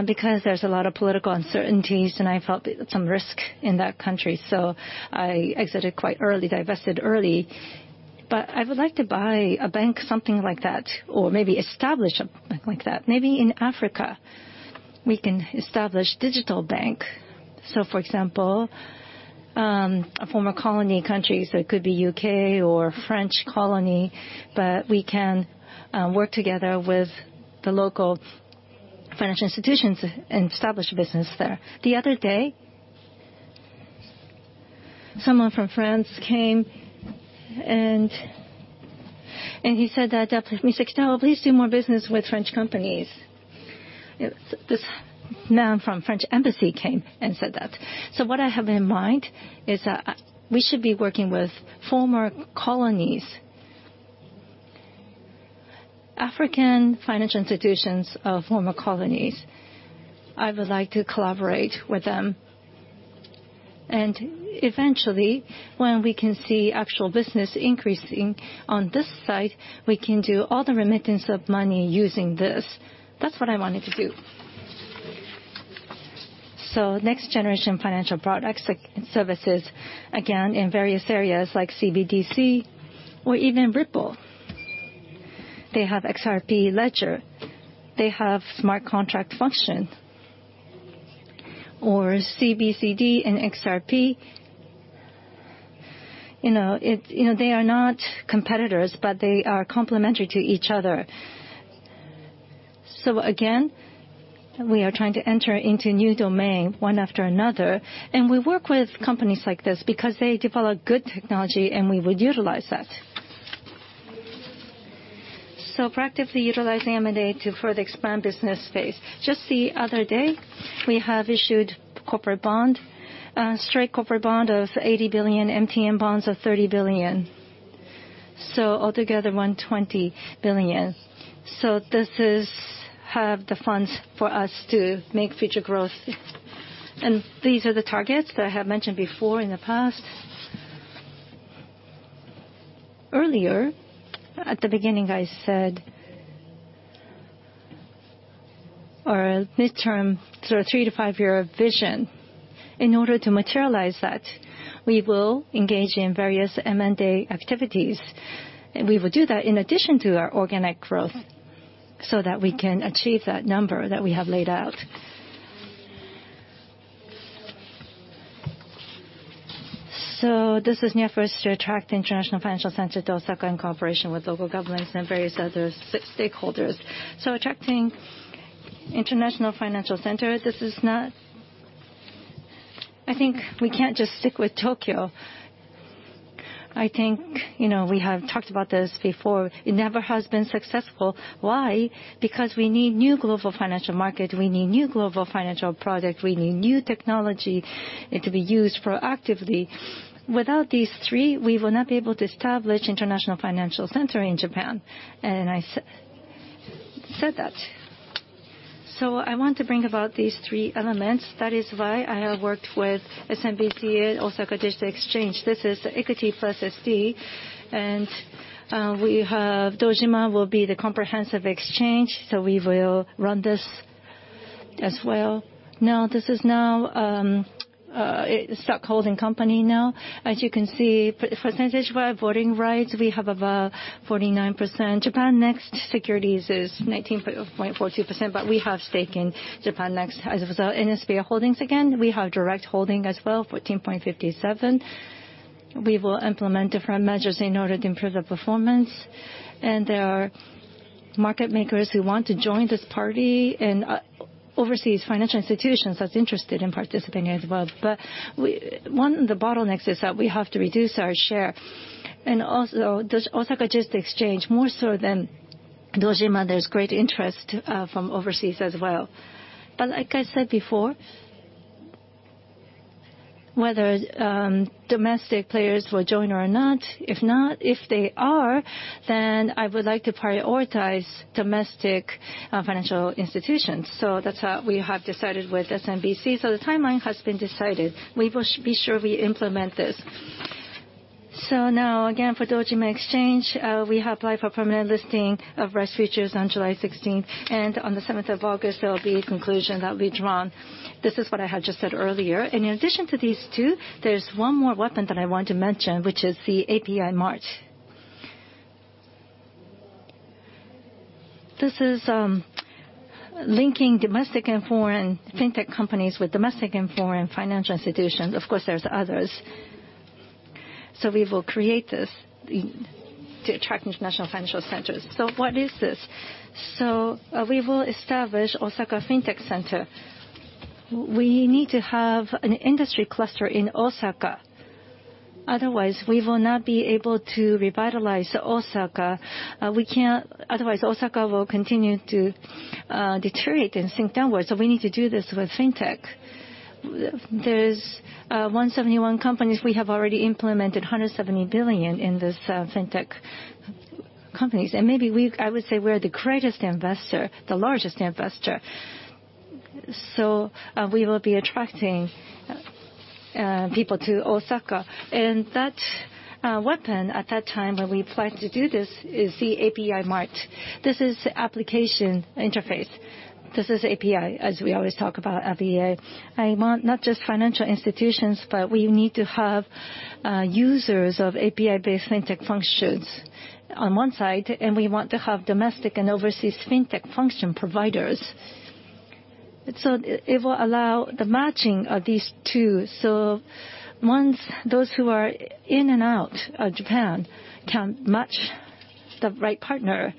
A: because there's a lot of political uncertainties, and I felt some risk in that country, so I exited quite early, divested early. I would like to buy a bank, something like that, or maybe establish a bank like that. Maybe in Africa, we can establish digital bank, so for example, a former colony countries, it could be U.K. or French colony, but we can work together with the local financial institutions and establish business there. The other day, someone from France came, and he said that, "Mr. Kitagawa, please do more business with French companies." This man from French Embassy came and said that. What I have in mind is that we should be working with former colonies. African financial institutions of former colonies, I would like to collaborate with them. Eventually, when we can see actual business increasing on this side, we can do all the remittance of money using this, that's what I wanted to do. Next-generation financial products services, again, in various areas like CBDC or even Ripple. They have XRP Ledger. They have smart contract function. CBDC and XRP, you know, they are not competitors, but they are complementary to each other. Again, we are trying to enter into new domain one after another, and we work with companies like this because they develop good technology, and we would utilize that. Proactively utilizing M&A to further expand business space, just the other day, we have issued corporate bond, straight corporate bond of 80 billion, MTN bonds of 30 billion, so altogether 120 billion. This have the funds for us to make future growth. These are the targets that I have mentioned before in the past. Earlier, at the beginning, I said our midterm sort of three to five year vision. In order to materialize that, we will engage in various M&A activities. We will do that in addition to our organic growth so that we can achieve that number that we have laid out. This is an effort to attract international financial center to Osaka in cooperation with local governments and various other stakeholders. Attracting international financial center, I think we can't just stick with Tokyo. I think we have talked about this before. It never has been successful. Why? Because we need new global financial market. We need new global financial product. We need new technology to be used proactively. Without these three, we will not be able to establish international financial center in Japan, and I said that. I want to bring about these three elements. That is why I have worked with SMBCU, Osaka Digital Exchange, this is the equity plus SE, and Dojima will be the comprehensive exchange, so we will run this as well. Now, this is now a stockholding company now. As you can see, percentage of our voting rights, we have about 49%. Japannext Securities is 19.42%, but we have stake in Japannext. As a result, in SBI Holdings, again, we have direct holding as well, 14.57%. We will implement different measures in order to improve the performance. There are market makers who want to join this party and overseas financial institutions that's interested in participating as well. One of the bottlenecks is that we have to reduce our share. Also, the Osaka Digital Exchange, most of them, Dojima, there's great interest from overseas as well. Like I said before, whether domestic players will join or not. If not, if they are, then I would like to prioritize domestic financial institutions. That's how we have decided with SMBC. The timeline has been decided. We will be sure we implement this. Now, again, for Osaka Dojima Exchange, we have applied for permanent listing of rice futures on July 16th, and on the 7th of August, there will be a conclusion that'll be drawn. This is what I had just said earlier. In addition to these two, there's one more weapon that I want to mention, which is the API Mart. This is linking domestic and foreign fintech companies with domestic and foreign financial institutions, of course, there's others. We will create this to attract international financial centers. What is this? We will establish Osaka Fintech Center. We need to have an industry cluster in Osaka, otherwise we will not be able to revitalize Osaka. Otherwise, Osaka will continue to deteriorate and sink downwards. We need to do this with fintech. There's 171 companies, we have already implemented 170 billion in these fintech companies. Maybe I would say we're the greatest investor, the largest investor, so we will be attracting people to Osaka, and that weapon at that time when we plan to do this, is the API Mart. This is application interface, this is API, as we always talk about API. I want not just financial institutions, but we need to have users of API-based fintech functions on one side, and we want to have domestic and overseas fintech function providers. It will allow the matching of these two. Those who are in and out of Japan can match the right partner,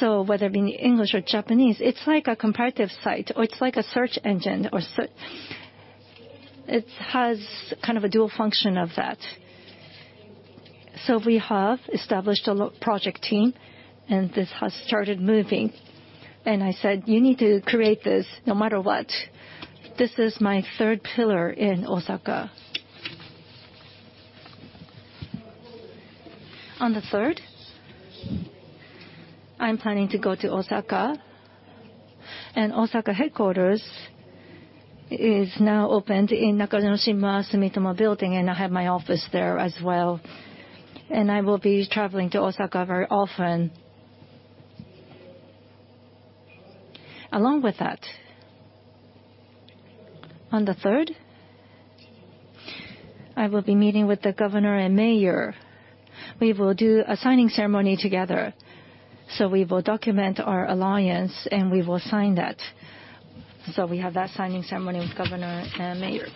A: so whether it being English or Japanese, it's like a comparative site or it's like a search engine. It has a dual function of that. We have established a project team and this has started moving. I said, "You need to create this no matter what." This is my third pillar in Osaka. On the 3rd, I'm planning to go to Osaka, and Osaka headquarters is now opened in Nakanoshima Sumitomo Building, and I have my office there as well. I will be traveling to Osaka very often. Along with that, on the 3rd, I will be meeting with the governor and mayor. We will do a signing ceremony together. We will document our alliance, and we will sign that. We have that signing ceremony with governor and mayor.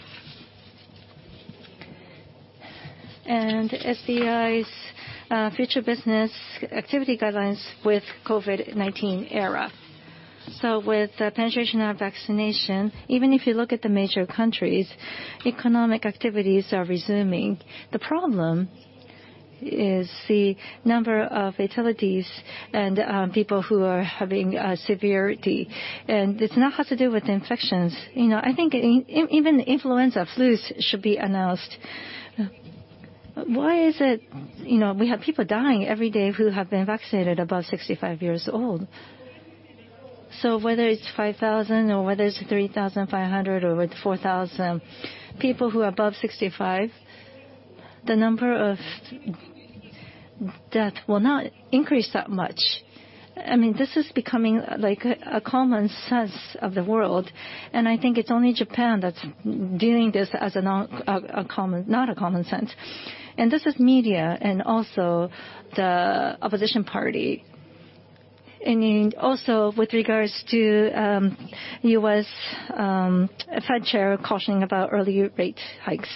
A: SBI's future business activity guidelines with COVID-19 era, with the penetration of vaccination, even if you look at the major countries, economic activities are resuming. The problem is the number of fatalities and people who are having severity and it's not have to do with infections. I think even influenza, flus should be announced. Why is it, you know, we have people dying every day who have been vaccinated above 65 years old? Whether it's 5,000 or whether it's 3,500 or whether 4,000, people who are above 65, the number of death will not increase that much. This is becoming a common sense of the world, and I think it's only Japan that's doing this as, not a common sense. This is media and also the opposition party. With regards to U.S. Fed Chair cautioning about early rate hikes,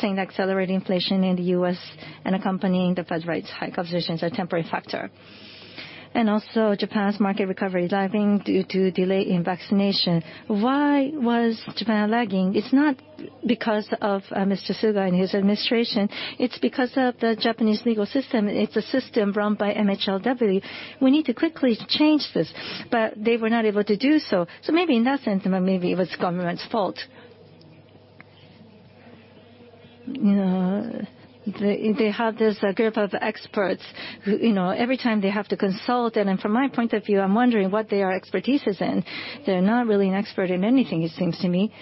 A: saying accelerated inflation in the U.S. and accompanying the Fed rates hike observations are a temporary factor. Japan's market recovery lagging due to delay in vaccination. Why was Japan lagging? It's not because of Mr. Suga and his administration. It's because of the Japanese legal system. It's a system run by MHLW. We need to quickly change this. They were not able to do so, maybe in that sense, maybe it was government's fault. They have this group of experts who every time they have to consult, from my point of view, I'm wondering what their expertise is in. They're not really an expert in anything, it seems to me,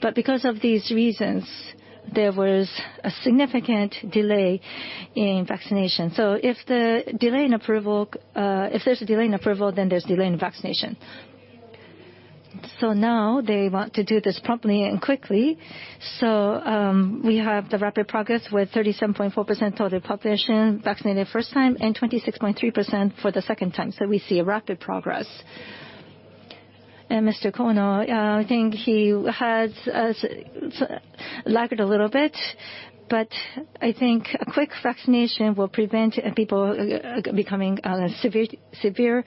A: but because of these reasons, there was a significant delay in vaccination. If there's a delay in approval, there's delay in vaccination. Now they want to do this promptly and quickly. We have the rapid progress with 37.4% of the population vaccinated first time and 26.3% for the second time. We see a rapid progress. Mr. Kono, I think he has lagged a little bit, but I think a quick vaccination will prevent people becoming severe.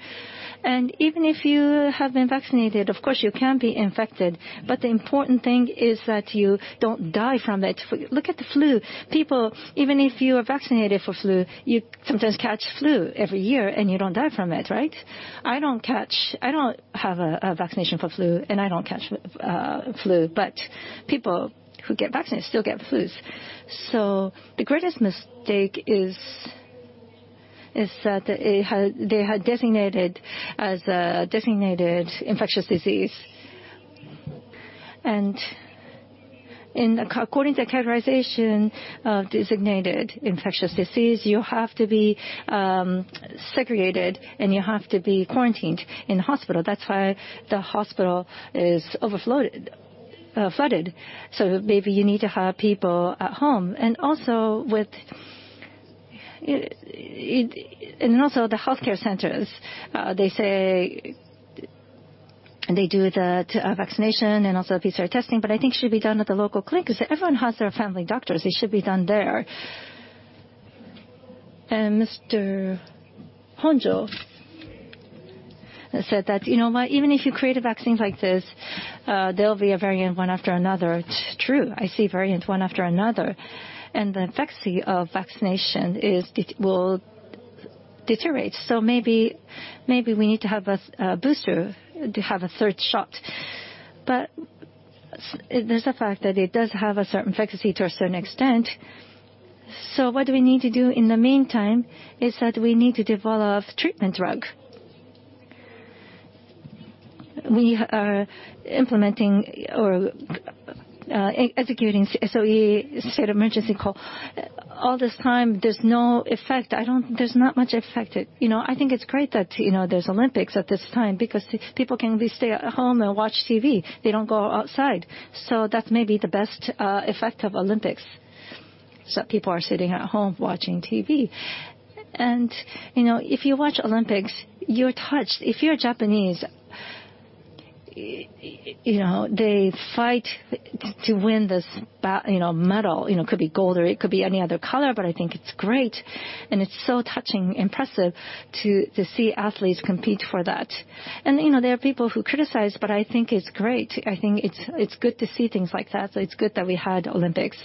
A: Even if you have been vaccinated, of course, you can be infected, but the important thing is that you don't die from it. Look at the flu, people, even if you are vaccinated for flu, you sometimes catch flu every year, and you don't die from it, right? I don't have a vaccination for flu and I don't catch the flu. People who get vaccinated still get flus. The greatest mistake is that they had designated infectious disease. According to the categorization of designated infectious disease, you have to be segregated, and you have to be quarantined in hospital, that's why the hospital is overflowed, flooded, so maybe you need to have people at home. Also the healthcare centers, they do the vaccination and also the PCR testing, but I think it should be done at the local clinic, because everyone has their family doctors. It should be done there. Mr. Honjo said that even if you create a vaccine like this, there'll be a variant one after another. It's true. I see variants one after another, and the efficacy of vaccination, it will deteriorate, maybe we need to have a booster, to have a third shot. There's the fact that it does have a certain efficacy to a certain extent. What we need to do in the meantime is that we need to develop treatment drug. We are implementing or executing SOE, State of Emergency call. All this time, there's no effect, there's not much effect. I think it's great that there's Olympics at this time, because people can at least stay at home and watch TV. They don't go outside. That may be the best effect of Olympics so people are sitting at home watching TV. If you watch Olympics, you're touched. If you're Japanese, you know, they fight to win this medal, could be gold or it could be any other color, but I think it's great, and it's so touching, impressive, to see athletes compete for that. There are people who criticize, but I think it's great. I think it's good to see things like that, so it's good that we had Olympics.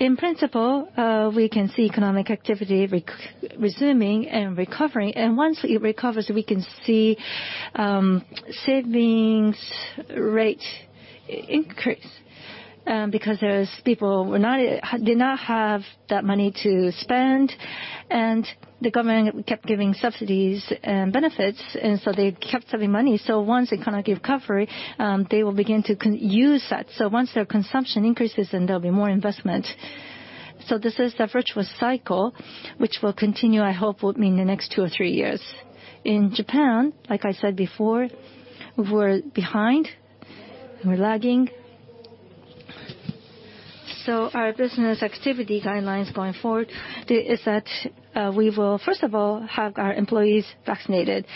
A: In principle, we can see economic activity resuming and recovering. Once it recovers, we can see savings rate increase, because those people did not have that money to spend, the government kept giving subsidies and benefits, they kept saving money. Once the economy recovers, they will begin to use that. Once their consumption increases, there'll be more investment. This is the virtuous cycle which will continue, I hope, within the next two or three years. In Japan, like I said before, we're behind, we're lagging. Our business activity guidelines going forward is that we will, first of all, have our employees vaccinated.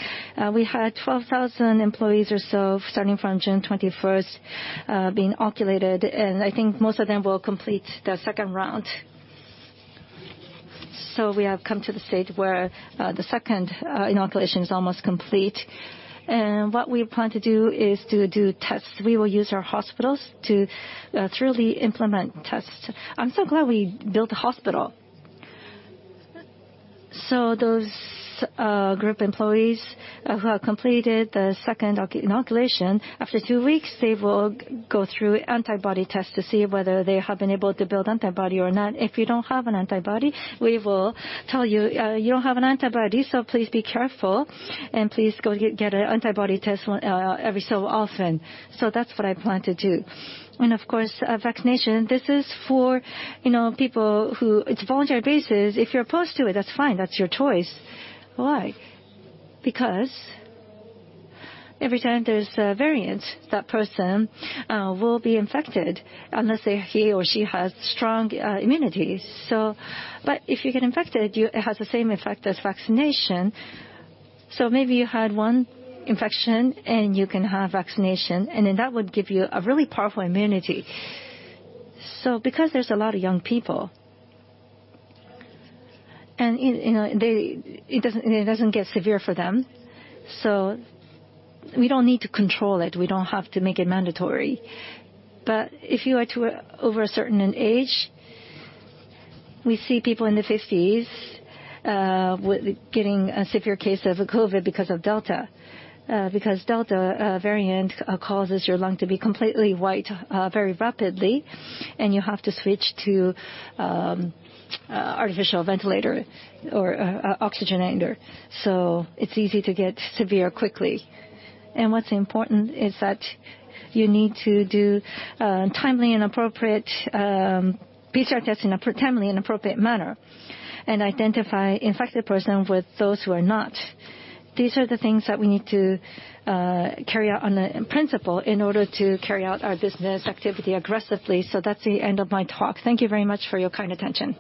A: We had 12,000 employees or so, starting from June 21st, being inoculated, and I think most of them will complete the second round. We have come to the stage where the second inoculation is almost complete. What we plan to do is to do tests. We will use our hospitals to thoroughly implement tests. I'm so glad we built a hospital. Those group employees who have completed the second inoculation, after two weeks, they will go through antibody tests to see whether they have been able to build antibody or not. If you don't have an antibody, we will tell you, "You don't have an antibody, so please be careful, and please go get an antibody test every so often." That's what I plan to do, and, of course, vaccination, this is for people. It's voluntary basis. If you're opposed to it, that's fine. That's your choice. Why? Because every time there's a variant, that person will be infected, unless he or she has strong immunity. If you get infected, it has the same effect as vaccination. Maybe you had one infection, and you can have vaccination, and then that would give you a really powerful immunity. Because there's a lot of young people, and it doesn't get severe for them, we don't need to control it. We don't have to make it mandatory. If you are over a certain age, we see people in their 50s getting a severe case of COVID because of Delta, because Delta variant causes your lung to be completely white very rapidly, and you have to switch to artificial ventilator or oxygenator. It's easy to get severe quickly. What's important is that you need to do timely and appropriate PCR tests in a timely and appropriate manner and identify infected person with those who are not. These are the things that we need to carry out on principle in order to carry out our business activity aggressively, so that's the end of my talk. Thank you very much for your kind attention.